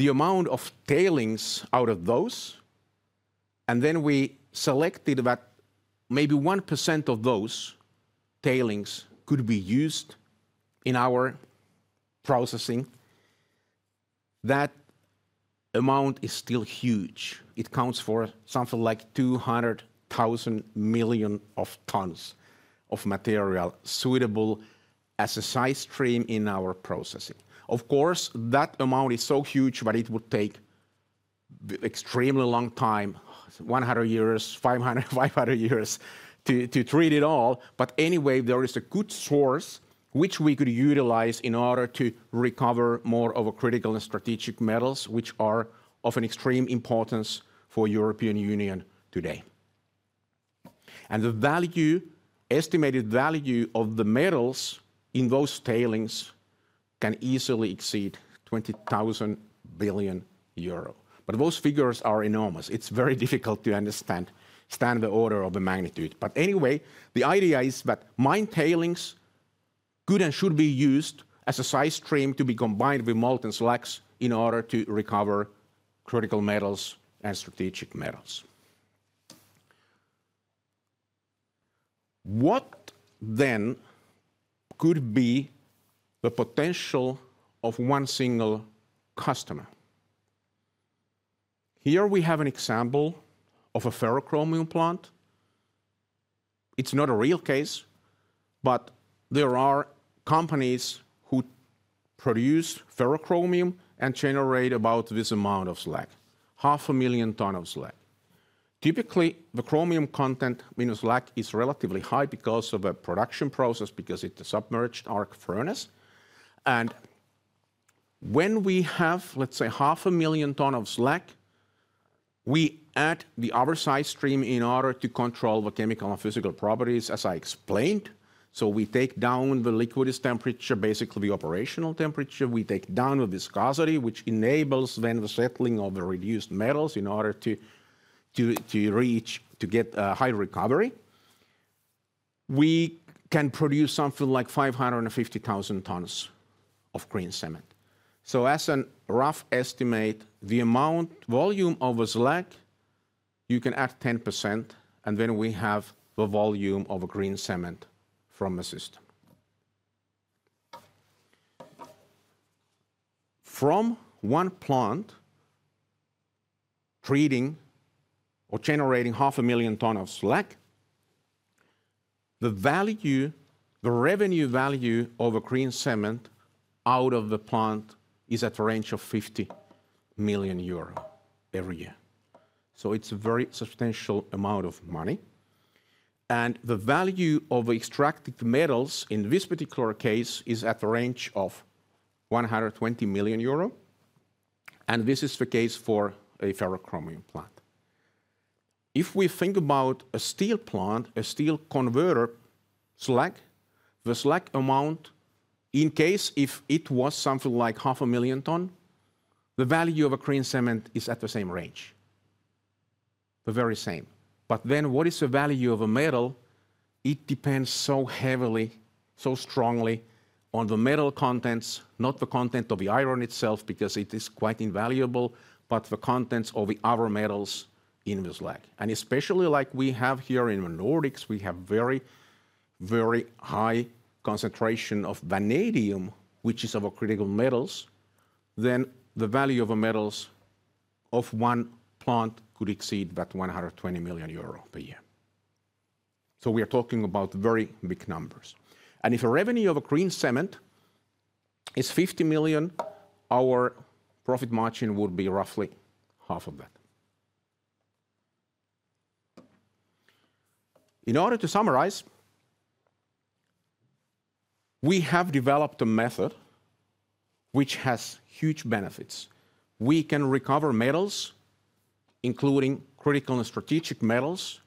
the amount of tailings out of those, and then we selected that maybe 1% of those tailings could be used in our processing, that amount is still huge. It counts for something like 200,000 million of tons of material suitable as a side stream in our processing. Of course, that amount is so huge, but it would take an extremely long time, 100 years, 500, 500 years to treat it all. Anyway, there is a good source which we could utilize in order to recover more of critical and strategic metals, which are of an extreme importance for the European Union today. The estimated value of the metals in those tailings can easily exceed 20,000 billion euro. Those figures are enormous. It's very difficult to understand the order of the magnitude. Anyway, the idea is that mine tailings could and should be used as a side stream to be combined with molten slags in order to recover critical metals and strategic metals. What then could be the potential of one single customer? Here we have an example of a ferrochromium plant. It's not a real case, but there are companies who produce ferrochromium and generate about this amount of slag, 500,000 tons of slag. Typically, the chromium content in the slag is relatively high because of a production process, because it's a submerged arc furnace. When we have, let's say, 500,000 tons of slag, we add the other side stream in order to control the chemical and physical properties, as I explained. We take down the liquid temperature, basically the operational temperature. We take down the viscosity, which enables the settling of the reduced metals in order to reach, to get a high recovery. We can produce something like 550,000 tons of green cement. As a rough estimate, the amount volume of slag, you can add 10%, and then we have the volume of green cement from a system. From one plant treating or generating 500,000 tons of slag, the revenue value of a green cement out of the plant is at a range of 50 million euro every year. It is a very substantial amount of money. The value of extracted metals in this particular case is at a range of 120 million euro. This is the case for a ferrochromium plant. If we think about a steel plant, a steel converter slag, the slag amount, in case if it was something like 500,000 tons, the value of a green cement is at the same range, the very same. What is the value of a metal? It depends so heavily, so strongly on the metal contents, not the content of the iron itself, because it is quite invaluable, but the contents of the other metals in the slag. Especially like we have here in the Nordics, we have very, very high concentration of vanadium, which is one of our critical metals. The value of the metals of one plant could exceed 120 million euro per year. We are talking about very big numbers. If the revenue of a green cement is 50 million, our profit margin would be roughly half of that. In order to summarize, we have developed a method which has huge benefits. We can recover metals, including critical and strategic metals,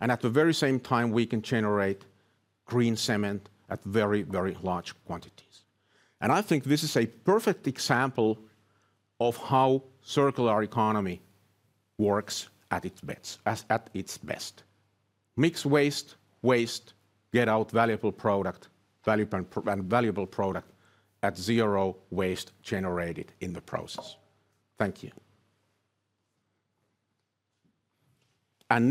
and at the very same time, we can generate green cement at very, very large quantities. I think this is a perfect example of how circular economy works at its best. Mix waste, waste, get out valuable product, valuable product at zero waste generated in the process. Thank you.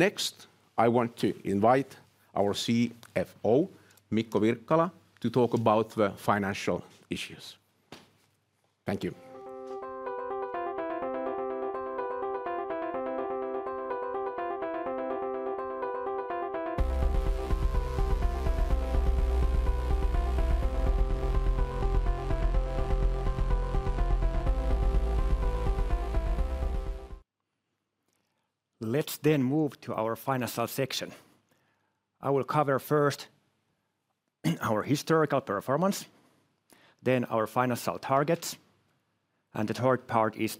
Next, I want to invite our CFO, Mikko Wirkkala, to talk about the financial issues. Thank you. Let's move to our final sales section. I will cover first our historical performance, then our final sales targets. The third part is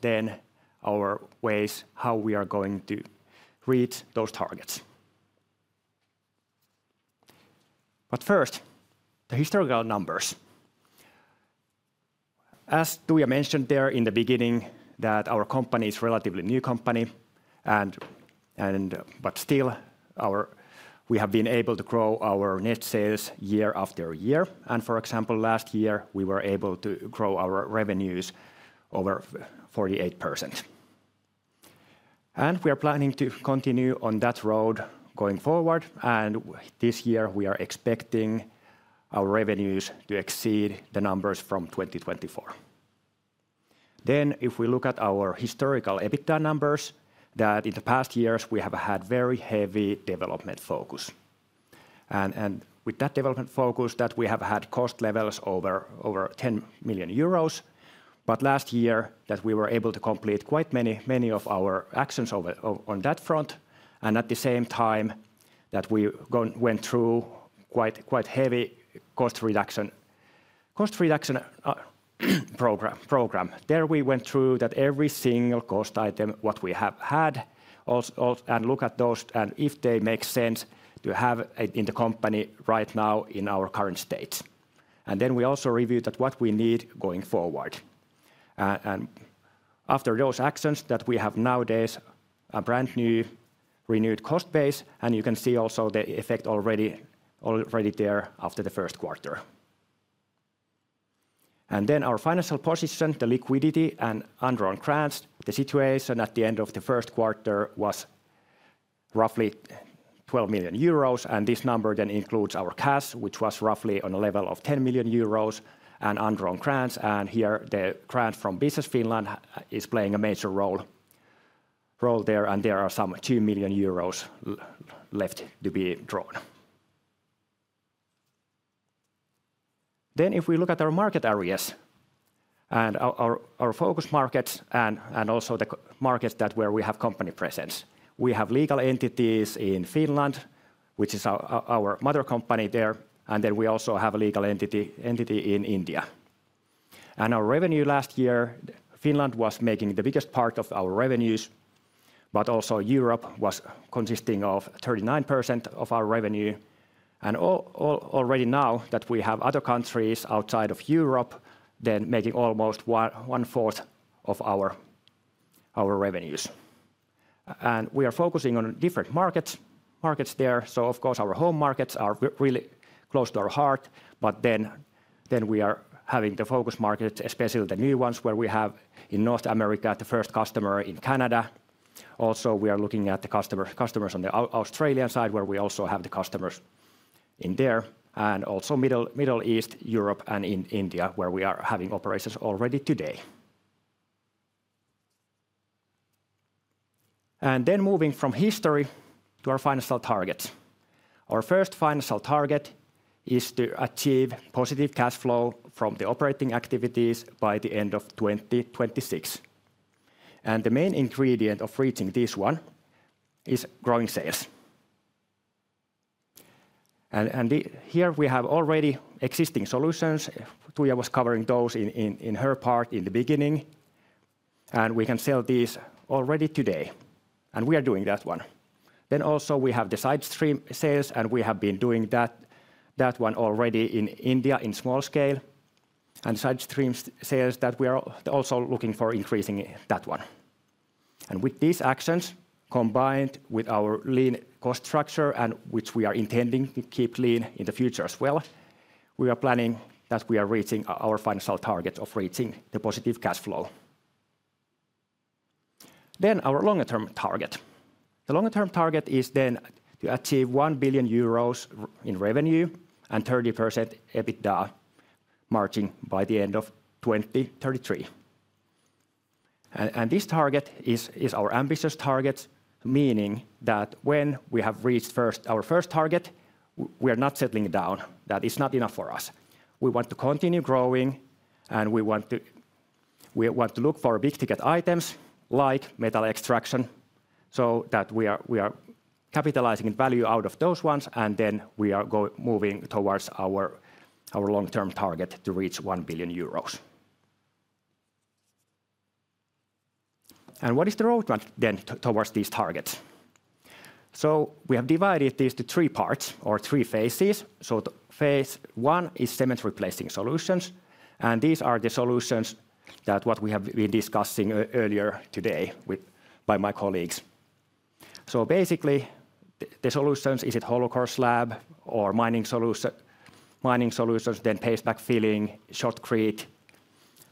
our ways how we are going to reach those targets. First, the historical numbers. As Tuija mentioned there in the beginning, our company is a relatively new company. Still, we have been able to grow our net sales year after year. For example, last year, we were able to grow our revenues over 48%. We are planning to continue on that road going forward. This year, we are expecting our revenues to exceed the numbers from 2024. If we look at our historical EBITDA numbers, in the past years, we have had very heavy development focus. With that development focus, we have had cost levels over 10 million euros. Last year, we were able to complete quite many of our actions on that front. At the same time, we went through quite a heavy cost reduction program. We went through every single cost item we have had and looked at those and if they make sense to have in the company right now in our current state. We also reviewed what we need going forward. After those actions, we have nowadays a brand new renewed cost base. You can see also the effect already there after the first quarter. Our financial position, the liquidity and underwriting grants, the situation at the end of the first quarter was roughly 12 million euros. This number then includes our cash, which was roughly on a level of 10 million euros and underwriting grants. Here the grant from Business Finland is playing a major role. There are some 2 million euros left to be drawn. If we look at our market areas and our focus markets and also the markets where we have company presence, we have legal entities in Finland, which is our mother company. We also have a legal entity in India. Our revenue last year, Finland was making the biggest part of our revenues, but also Europe was consisting of 39% of our revenue. Already now we have other countries outside of Europe making almost one fourth of our revenues. We are focusing on different markets there. Of course, our home markets are really close to our heart. We are having the focus markets, especially the new ones where we have in North America the first customer in Canada. Also we are looking at the customers on the Australian side where we also have the customers in there. Also Middle East, Europe, and in India where we are having operations already today. Moving from history to our financial targets. Our first financial target is to achieve positive cash flow from the operating activities by the end of 2026. The main ingredient of reaching this one is growing sales. Here we have already existing solutions. Tuija was covering those in her part in the beginning. We can sell these already today. We are doing that one. Also we have the side stream sales, and we have been doing that one already in India in small scale. Side stream sales that we are also looking for increasing that one. With these actions, combined with our lean cost structure, which we are intending to keep lean in the future as well, we are planning that we are reaching our financial target of reaching the positive cash flow. Our longer term target is then to achieve 1 billion euros in revenue and 30% EBITDA margin by the end of 2033. This target is our ambitious target, meaning that when we have reached our first target, we are not settling down. That is not enough for us. We want to continue growing, and we want to look for big ticket items like metal extraction so that we are capitalizing value out of those ones. We are moving towards our long term target to reach 1 billion euros. What is the roadmap then towards these targets? We have divided these into three parts or three phases. Phase one is cement replacing solutions. These are the solutions that we have been discussing earlier today by my colleagues. Basically, the solutions are a hollowcore slab or mining solutions, then paste backfilling, shotcrete,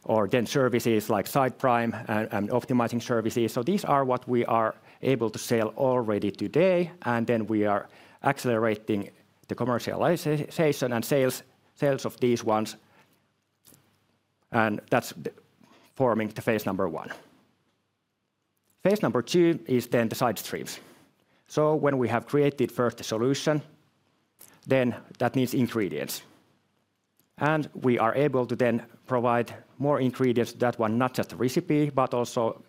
or services like SitePrime and optimizing services. These are what we are able to sell already today. We are accelerating the commercialization and sales of these ones, and that is forming phase number one. Phase number two is then the side streams. When we have created first the solution, that means ingredients. We are able to then provide more ingredients to that one, not just a recipe, but also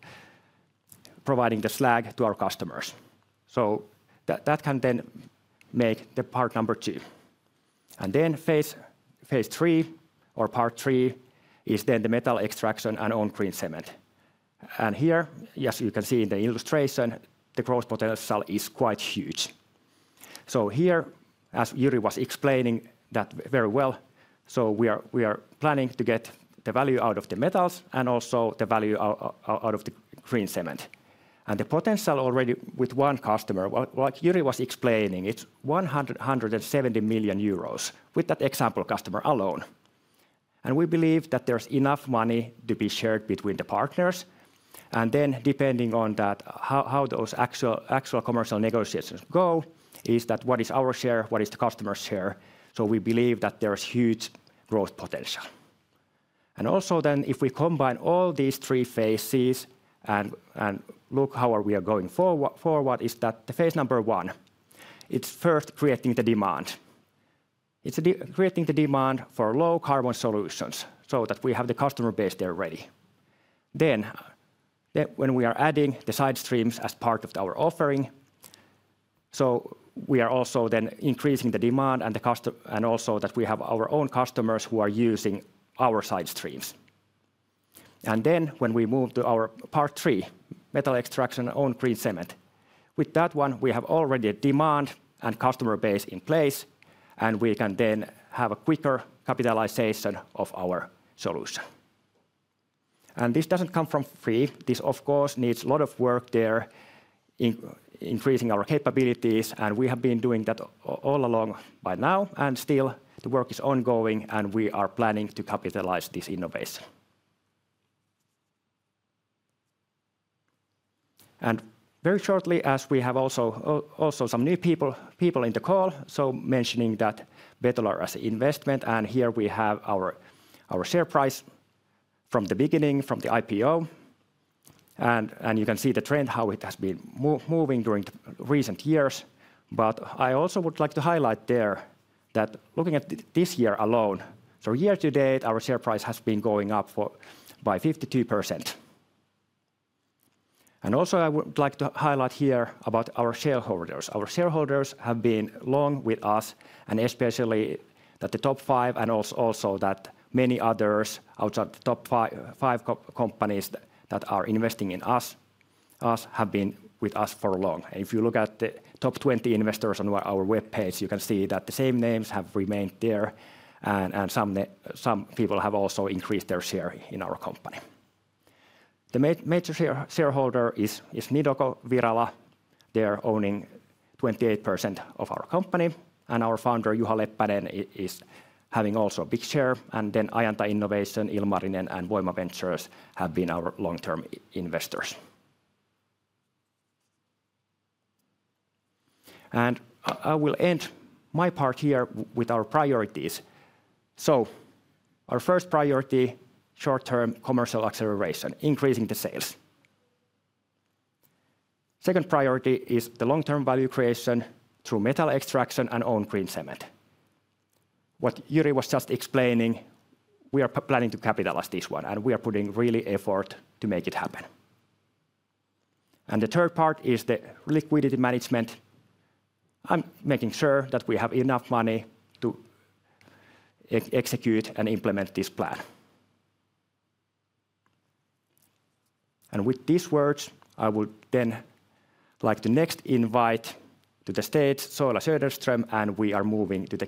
providing the slag to our customers. That can then make the part number two. Phase three or part three is then the metal extraction and on green cement. Here, as you can see in the illustration, the growth potential is quite huge. Here, as Jyri was explaining that very well, we are planning to get the value out of the metals and also the value out of the green cement. The potential already with one customer, like Jyri was explaining, is 170 million euros with that example customer alone. We believe that there is enough money to be shared between the partners. Depending on how those actual commercial negotiations go, what is our share, what is the customer's share. We believe that there is huge growth potential. If we combine all these three phases and look how we are going forward, the phase number one, it's first creating the demand. It's creating the demand for low carbon solutions so that we have the customer base there ready. When we are adding the side streams as part of our offering, we are also increasing the demand and also that we have our own customers who are using our side streams. When we move to our part three, metal extraction on green cement, with that one, we have already a demand and customer base in place, and we can then have a quicker capitalization of our solution. This doesn't come from free. This, of course, needs a lot of work there in increasing our capabilities, and we have been doing that all along by now, and still the work is ongoing, and we are planning to capitalize this innovation. Very shortly, as we have also some new people in the call, mentioning that Betolar as an investment, and here we have our share price from the beginning from the IPO. You can see the trend how it has been moving during the recent years. I also would like to highlight there that looking at this year alone, year to date, our share price has been going up by 52%. I also would like to highlight here about our shareholders. Our shareholders have been long with us, and especially that the top five and also that many others outside the top five companies that are investing in us have been with us for long. If you look at the top 20 investors on our web page, you can see that the same names have remained there, and some people have also increased their share in our company. The major shareholder is Nidokko Virola. They're owning 28% of our company, and our founder, Juha Leppänen, is having also a big share. Ajanta Innovation, Ilmarinen, and Voima Ventures have been our long-term investors. I will end my part here with our priorities. Our first priority, short-term commercial acceleration, increasing the sales. Second priority is the long-term value creation through metal extraction and on green cement. What Jyri was just explaining, we are planning to capitalize this one, and we are putting really effort to make it happen. The third part is the liquidity management. I'm making sure that we have enough money to execute and implement this plan. With these words, I would then like to next invite to the stage Soila Söderström, and we are moving to the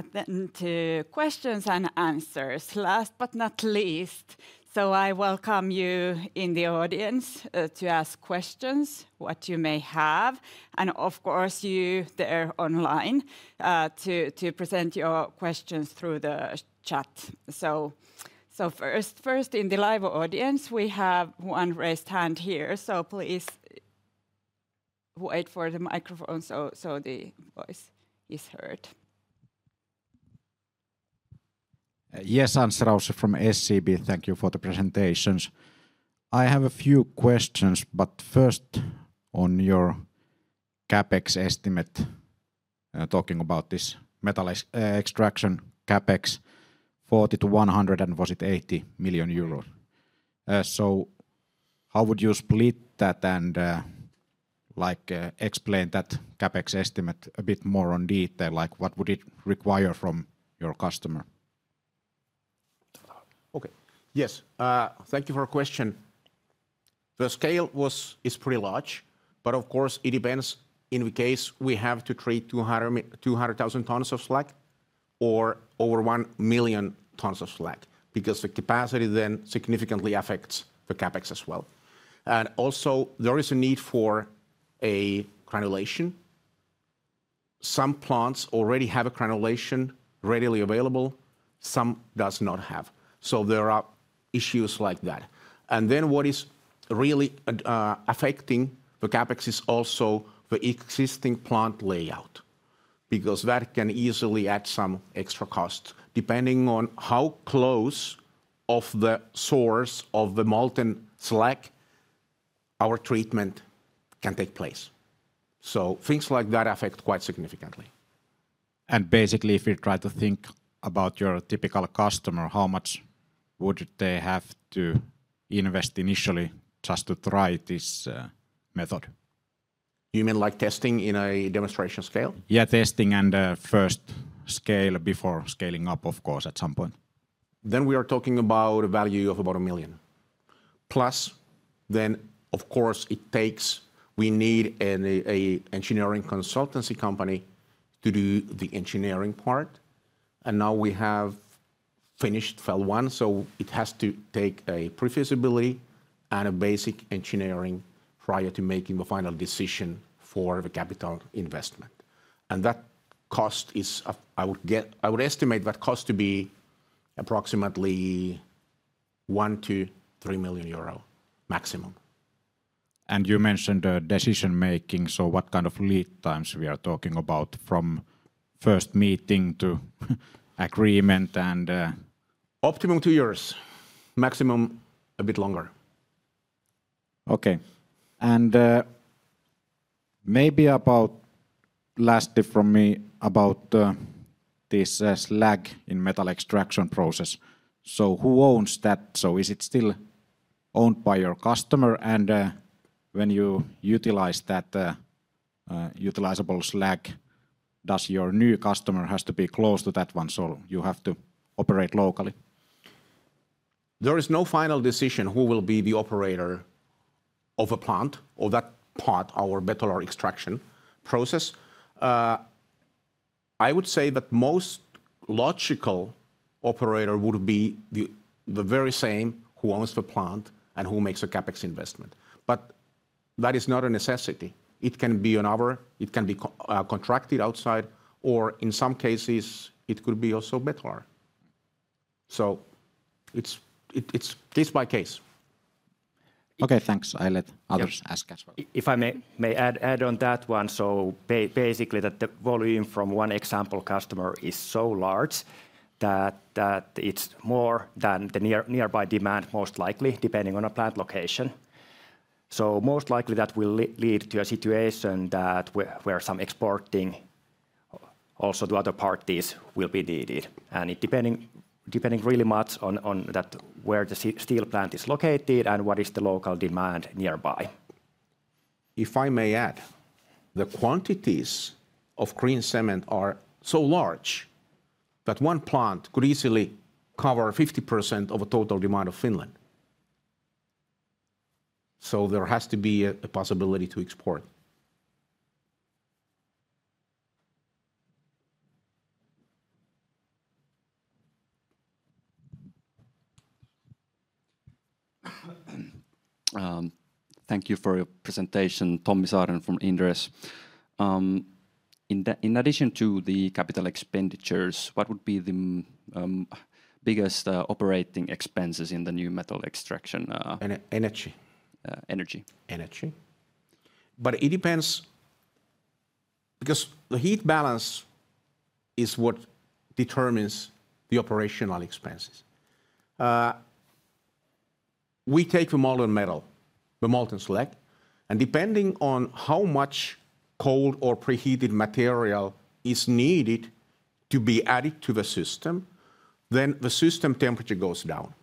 Q&A. Yes, thank you. Then to questions and answers, last but not least, I welcome you in the audience to ask questions what you may have. Of course, you there online to present your questions through the chat. First, in the live audience, we have one raised hand here. Please wait for the microphone so the voice is heard. Yes, Hans Rausch from SCB. Thank you for the presentations. I have a few questions, but first on your CapEx estimate talking about this metal extraction CapEx 40-100 and was it 80 million euros? How would you split that and explain that CapEx estimate a bit more in detail? What would it require from your customer? Okay, yes. Thank you for the question. The scale is pretty large, but of course it depends in which case we have to treat 200,000 tons of slag or over 1 million tons of slag because the capacity then significantly affects the CapEx as well. Also, there is a need for granulation. Some plants already have granulation readily available, some do not have. There are issues like that. What is really affecting the CapEx is also the existing plant layout because that can easily add some extra cost depending on how close to the source of the molten slag our treatment can take place. Things like that affect quite significantly. Basically, if you try to think about your typical customer, how much would they have to invest initially just to try this method? You mean like testing in a demonstration scale? Yeah, testing and first scale before scaling up, of course, at some point. We are talking about a value of about 1 million. Plus then, of course, it takes—we need an engineering consultancy company to do the engineering part. Now we have finished phase one, so it has to take a pre-feasibility and a basic engineering prior to making the final decision for the capital investment. That cost is, I would estimate that cost to be approximately 1 million-3 million euro maximum. You mentioned decision making, so what kind of lead times are we talking about from first meeting to agreement. Optimum two years, maximum a bit longer. Maybe about last tip from me about this slag in metal extraction process. Who owns that? Is it still owned by your customer? When you utilize that utilizable slag, does your new customer have to be close to that one? Do you have to operate locally? There is no final decision who will be the operator of a plant or that part, our metal or extraction process. I would say that most logical operator would be the very same who owns the plant and who makes a CapEx investment. That is not a necessity. It can be another, it can be contracted outside, or in some cases it could be also Betolar. So it's case by case. Okay, thanks. I'll let others ask as well. If I may add on that one, so basically that the volume from one example customer is so large that it's more than the nearby demand, most likely depending on a plant location. Most likely that will lead to a situation where some exporting also to other parties will be needed. It depending really much on where the steel plant is located and what is the local demand nearby. If I may add, the quantities of green cement are so large that one plant could easily cover 50% of the total demand of Finland. There has to be a possibility to export. Thank you for your presentation, Tommi Saaren from Inderes. In addition to the capital expenditures, whatwould be the biggest operating expenses in the new metal extraction? Energy. Energy. Energy. It depends because the heat balance is what determines the operational expenses. We take the molten metal, the molten slag, and depending on how much cold or preheated material is needed to be added to the system, the system temperature goes down.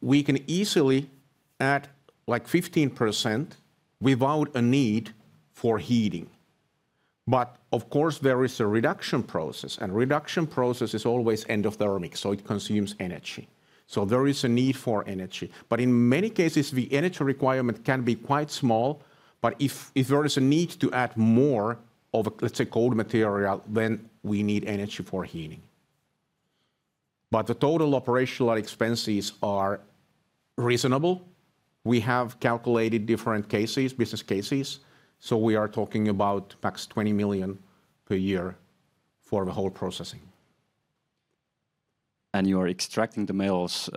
We can easily add like 15% without a need for heating. Of course, there is a reduction process, and reduction process is always endothermic, so it consumes energy. There is a need for energy. In many cases, the energy requirement can be quite small, but if there is a need to add more of a, let's say, cold material, then we need energy for heating. The total operational expenses are reasonable. We have calculated different cases, business cases. We are talking about max 20 million per year for the whole processing. You are extracting the metals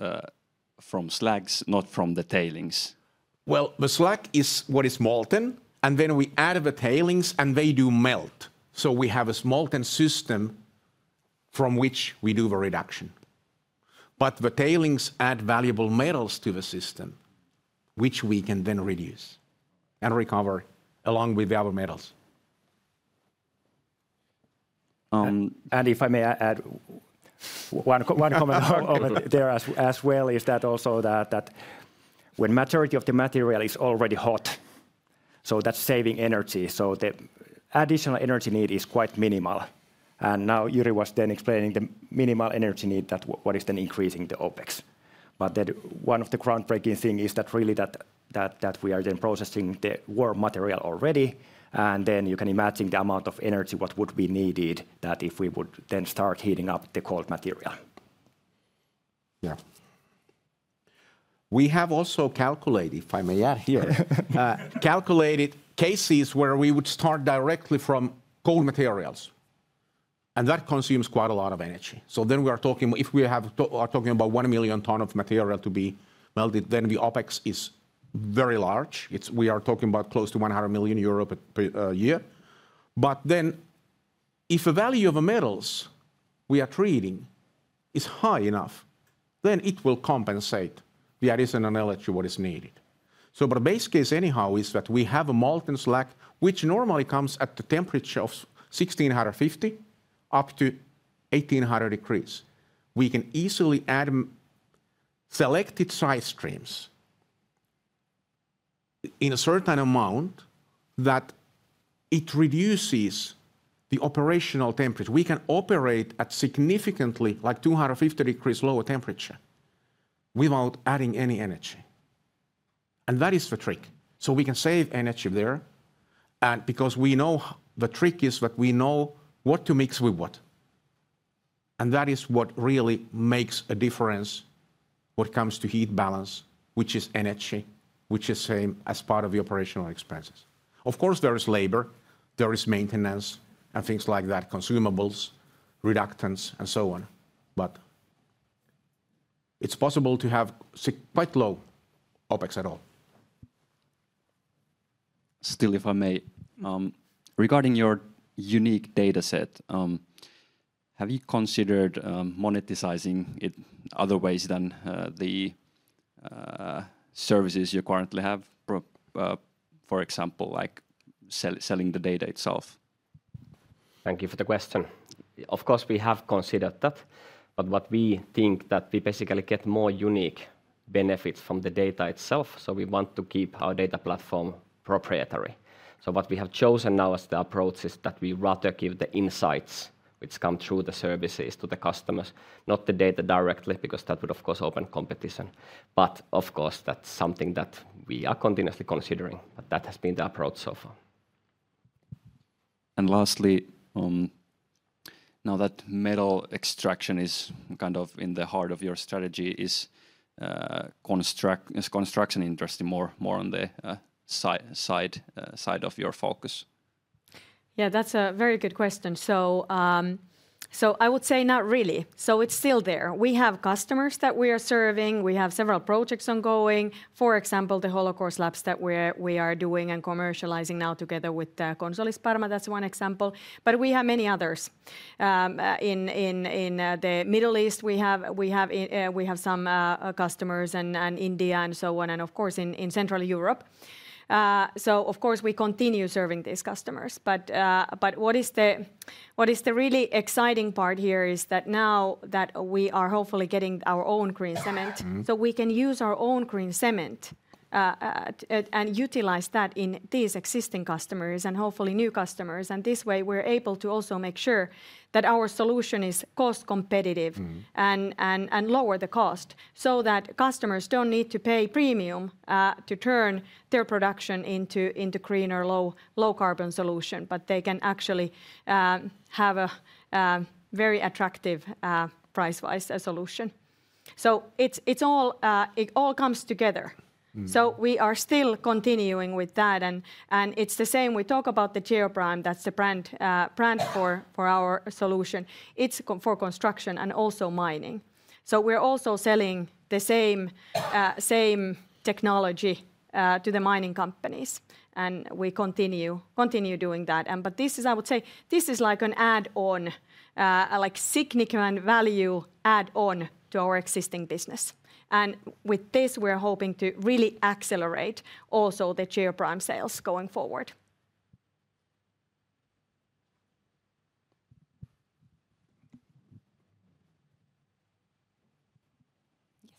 from slags, not from the tailings. The slag is what is molten, and then we add the tailings and they do melt. We have a molten system from which we do the reduction. The tailings add valuable metals to the system, which we can then reduce and recover along with the other metals. If I may add one comment there as well, also when the majority of the material is already hot, that's saving energy. The additional energy need is quite minimal. Now Jyri was then explaining the minimal energy need that is then increasing the OpEx. One of the groundbreaking things is that really we are then processing the warm material already, and you can imagine the amount of energy that would be needed if we would then start heating up the cold material. Yeah. We have also calculated, if I may add here, calculated cases where we would start directly from cold materials. That consumes quite a lot of energy. If we are talking about 1 million ton of material to be melted, then the OpEx is very large. We are talking about close to 100 million euro per year. If the value of the metals we are treating is high enough, then it will compensate the additional energy that is needed. The base case anyhow is that we have a molten slag, which normally comes at the temperature of 1,650 up to 1,800 degrees. We can easily add selected side streams in a certain amount that it reduces the operational temperature. We can operate at significantly like 250 degrees lower temperature without adding any energy. That is the trick. We can save energy there. The trick is that we know what to mix with what. That is what really makes a difference when it comes to heat balance, which is energy, which is the same as part of the operational expenses. Of course, there is labor, there is maintenance and things like that, consumables, reductants, and so on. It is possible to have quite low OpEx at all. Still, if I may, regarding your unique data set, have you considered monetizing it other ways than the services you currently have, for example, like selling the data itself? Thank you for the question. Of course, we have considered that. What we think is that we basically get more unique benefits from the data itself. We want to keep our data platform proprietary. What we have chosen now as the approach is that we rather give the insights, which come through the services to the customers, not the data directly, because that would of course open competition. Of course, that's something that we are continuously considering. That has been the approach so far. Lastly, now that metal extraction is kind of in the heart of your strategy, is construction interesting more on the side side of your focus? Yeah, that's a very good question. I would say not really. It's still there. We have customers that we are serving. We have several projects ongoing. For example, the hollowcore slabs that we are doing and commercializing now together with Consolis Parma, that's one example. We have many others. In the Middle East, we have some customers, and India and so on, and of course in Central Europe. We continue serving these customers. What is the really exciting part here is that now that we are hopefully getting our own green cement, we can use our own green cement and utilize that in these existing customers and hopefully new customers. This way we're able to also make sure that our solution is cost competitive and lower the cost so that customers do not need to pay premium to turn their production into greener low carbon solution, but they can actually have a very attractive price-wise solution. It all comes together. We are still continuing with that. It is the same. We talk about the Geoprime, that is the brand for our solution. It is for construction and also mining. We are also selling the same technology to the mining companies. We continue doing that. This is, I would say, like an add-on, like significant value add-on to our existing business. With this, we are hoping to really accelerate also the Geoprime sales going forward. Yes.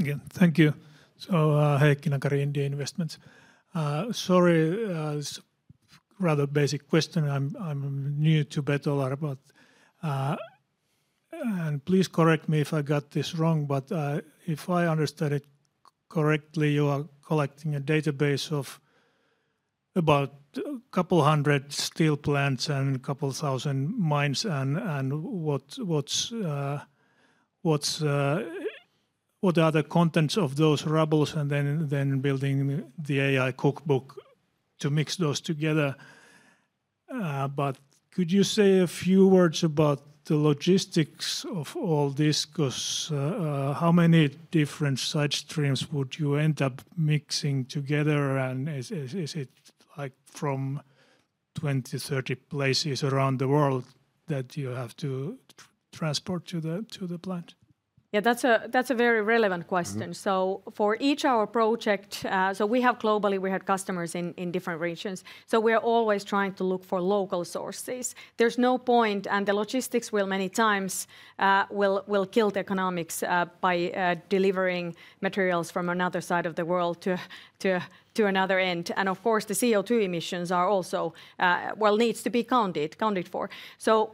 Again, thank you. Heikkinakari, India Investments. Sorry, rather basic question. I'm new to Betolar, but please correct me if I got this wrong, but if I understood it correctly, you are collecting a database of about a couple hundred steel plants and a couple thousand mines and what are the other contents of those rubbles and then building the AI cookbook to mix those together. Could you say a few words about the logistics of all this? Because how many different side streams would you end up mixing together? Is it like from 20-30 places around the world that you have to transport to the plant? Yeah, that's a very relevant question. For each our project, we have globally, we had customers in different regions. We are always trying to look for local sources. There's no point, and the logistics will many times kill the economics by delivering materials from another side of the world to another end. Of course, the CO2 emissions are also, well, need to be counted for.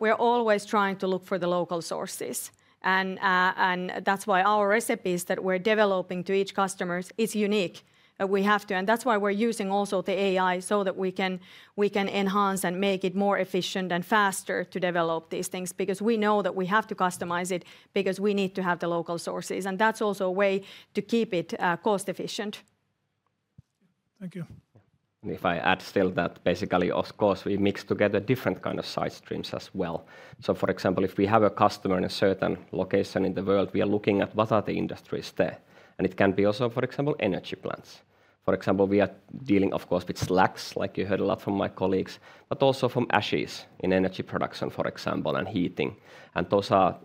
We're always trying to look for the local sources. That's why our recipe that we're developing to each customer is unique. We have to, and that's why we're using also the AI so that we can enhance and make it more efficient and faster to develop these things because we know that we have to customize it because we need to have the local sources. That's also a way to keep it cost efficient. Thank you. If I add still that basically, of course, we mix together different kinds of side streams as well. For example, if we have a customer in a certain location in the world, we are looking at what are the industries there. It can be also, for example, energy plants. For example, we are dealing, of course, with slags, like you heard a lot from my colleagues, but also from ashes in energy production, for example, and heating. Those are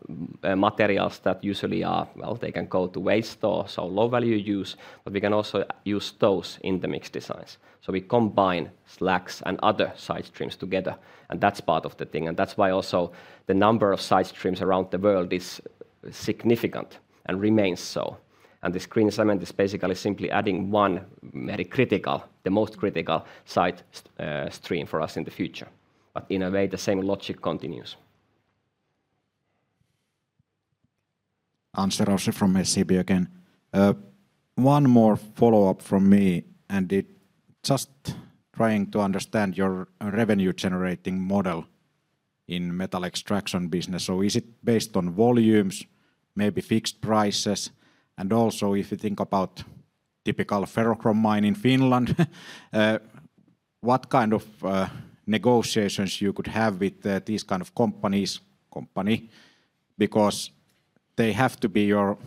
materials that usually are, well, they can go to waste or so low value use, but we can also use those in the mixed designs. We combine slags and other side streams together. That is part of the thing. That is why also the number of side streams around the world is significant and remains so. This green cement is basically simply adding one very critical, the most critical side stream for us in the future. In a way, the same logic continues. Answer also from Sibio again. One more follow-up from me, and just trying to understand your revenue-generating model in metal extraction business. Is it based on volumes, maybe fixed prices? Also, if you think about a typical ferrochrome mine in Finland, what kind of negotiations you could have with these kinds of companies, because they have to be your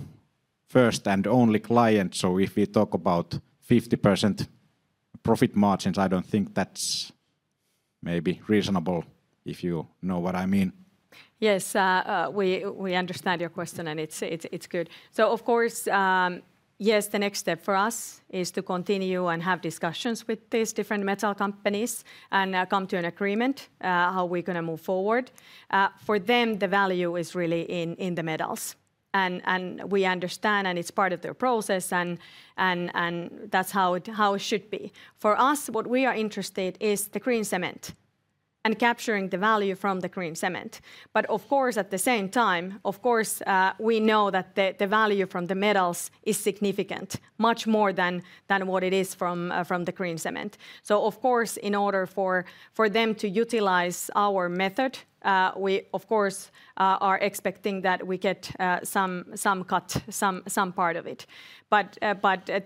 first and only client. If we talk about 50% profit margins, I do not think that is maybe reasonable if you know what I mean. Yes, we understand your question and it is good. Of course, the next step for us is to continue and have discussions with these different metal companies and come to an agreement how we are going to move forward. For them, the value is really in the metals. We understand and it is part of their process and that is how it should be. For us, what we are interested in is the green cement and capturing the value from the green cement. Of course, at the same time, we know that the value from the metals is significant, much more than what it is from the green cement. In order for them to utilize our method, we are expecting that we get some cut, some part of it.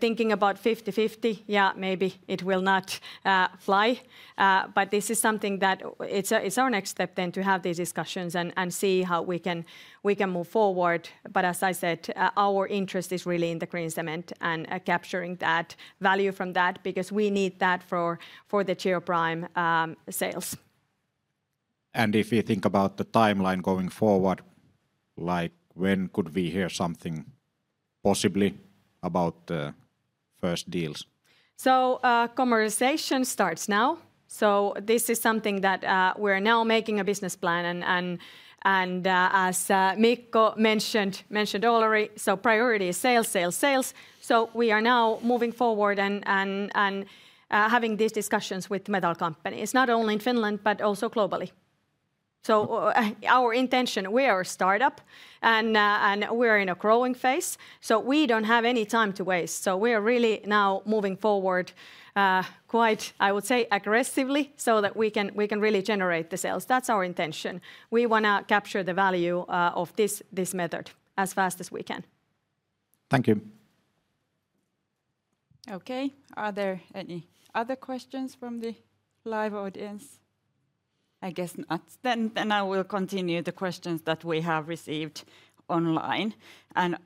Thinking about 50-50, yeah, maybe it will not fly. This is something that is our next step then to have these discussions and see how we can move forward. As I said, our interest is really in the green cement and capturing that value from that because we need that for the Geoprime sales. If you think about the timeline going forward, like when could we hear something possibly about the first deals? Conversation starts now. This is something that we're now making a business plan. As Mikko mentioned already, priority is sales, sales, sales. We are now moving forward and having these discussions with metal companies, not only in Finland but also globally. Our intention, we are a startup and we are in a growing phase. We don't have any time to waste. We are really now moving forward quite, I would say, aggressively so that we can really generate the sales. That's our intention. We want to capture the value of this method as fast as we can. Thank you. Okay, are there any other questions from the live audience? I guess not. I will continue the questions that we have received online.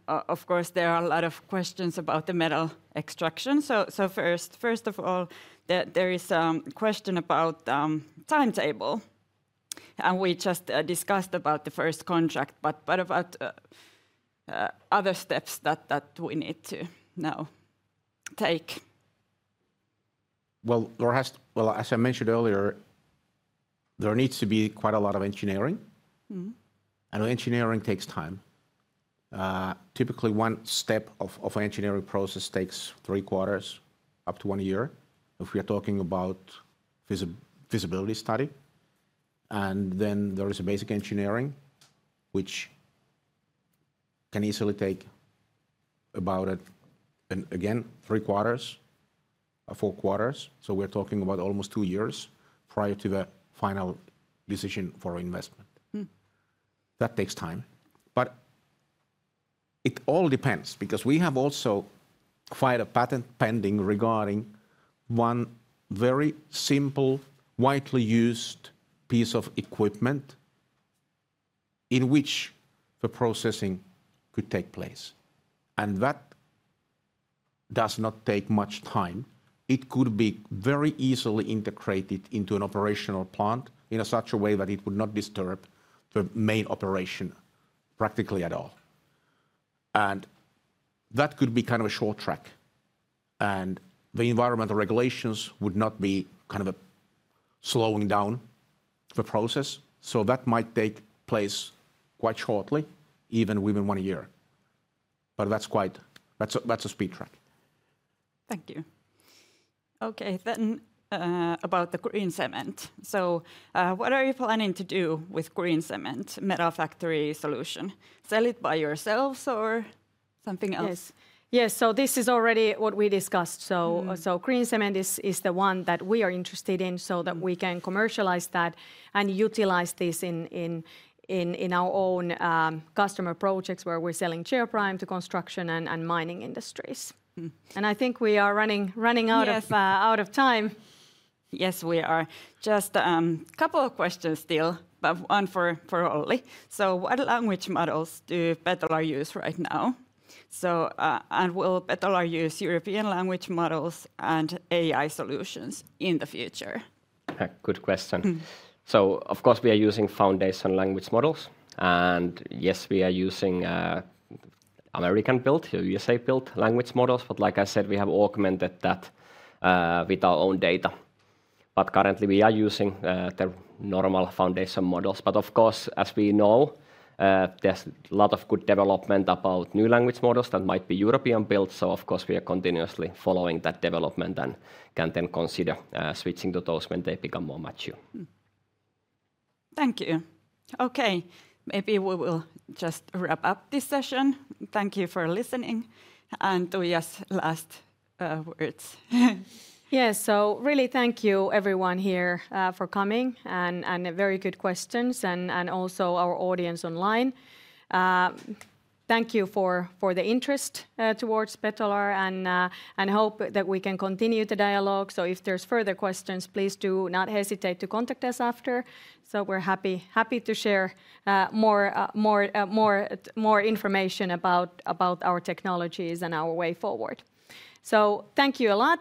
Of course, there are a lot of questions about the metal extraction. First of all, there is a question about timetable. We just discussed the first contract, but about other steps that we need to now take. As I mentioned earlier, there needs to be quite a lot of engineering. Engineering takes time. Typically, one step of an engineering process takes three quarters, up to one year, if we are talking about visibility study. Then there is a basic engineering, which can easily take about, again, three quarters, four quarters. We are talking about almost two years prior to the final decision for investment. That takes time. It all depends because we have also filed a patent pending regarding one very simple, widely used piece of equipment in which the processing could take place. That does not take much time. It could be very easily integrated into an operational plant in such a way that it would not disturb the main operation practically at all. That could be kind of a short track. The environmental regulations would not be kind of slowing down the process. That might take place quite shortly, even within one year. That is a speed track. Thank you. Okay, then about the green cement. What are you planning to do with green cement, metal factory solution? Sell it by yourselves or something else? Yes, this is already what we discussed. Green cement is the one that we are interested in so that we can commercialize that and utilize this in our own customer projects where we are selling Geoprime to construction and mining industries. I think we are running out of time. Yes, we are. Just a couple of questions still, but one for Olli. What language models do Betolar use right now? Will Betolar use European language models and AI solutions in the future? Good question. Of course, we are using foundation language models. Yes, we are using American-built, USA-built language models. Like I said, we have augmented that with our own data. Currently, we are using the normal foundation models. Of course, as we know, there is a lot of good development about new language models that might be European-built. We are continuously following that development and can then consider switching to those when they become more mature. Thank you. Okay, maybe we will just wrap up this session. Thank you for listening. Tuija's last words. Yes, so really thank you everyone here for coming and very good questions and also our audience online. Thank you for the interest towards Betolar and hope that we can continue the dialogue. If there's further questions, please do not hesitate to contact us after. We're happy to share more information about our technologies and our way forward. Thank you a lot.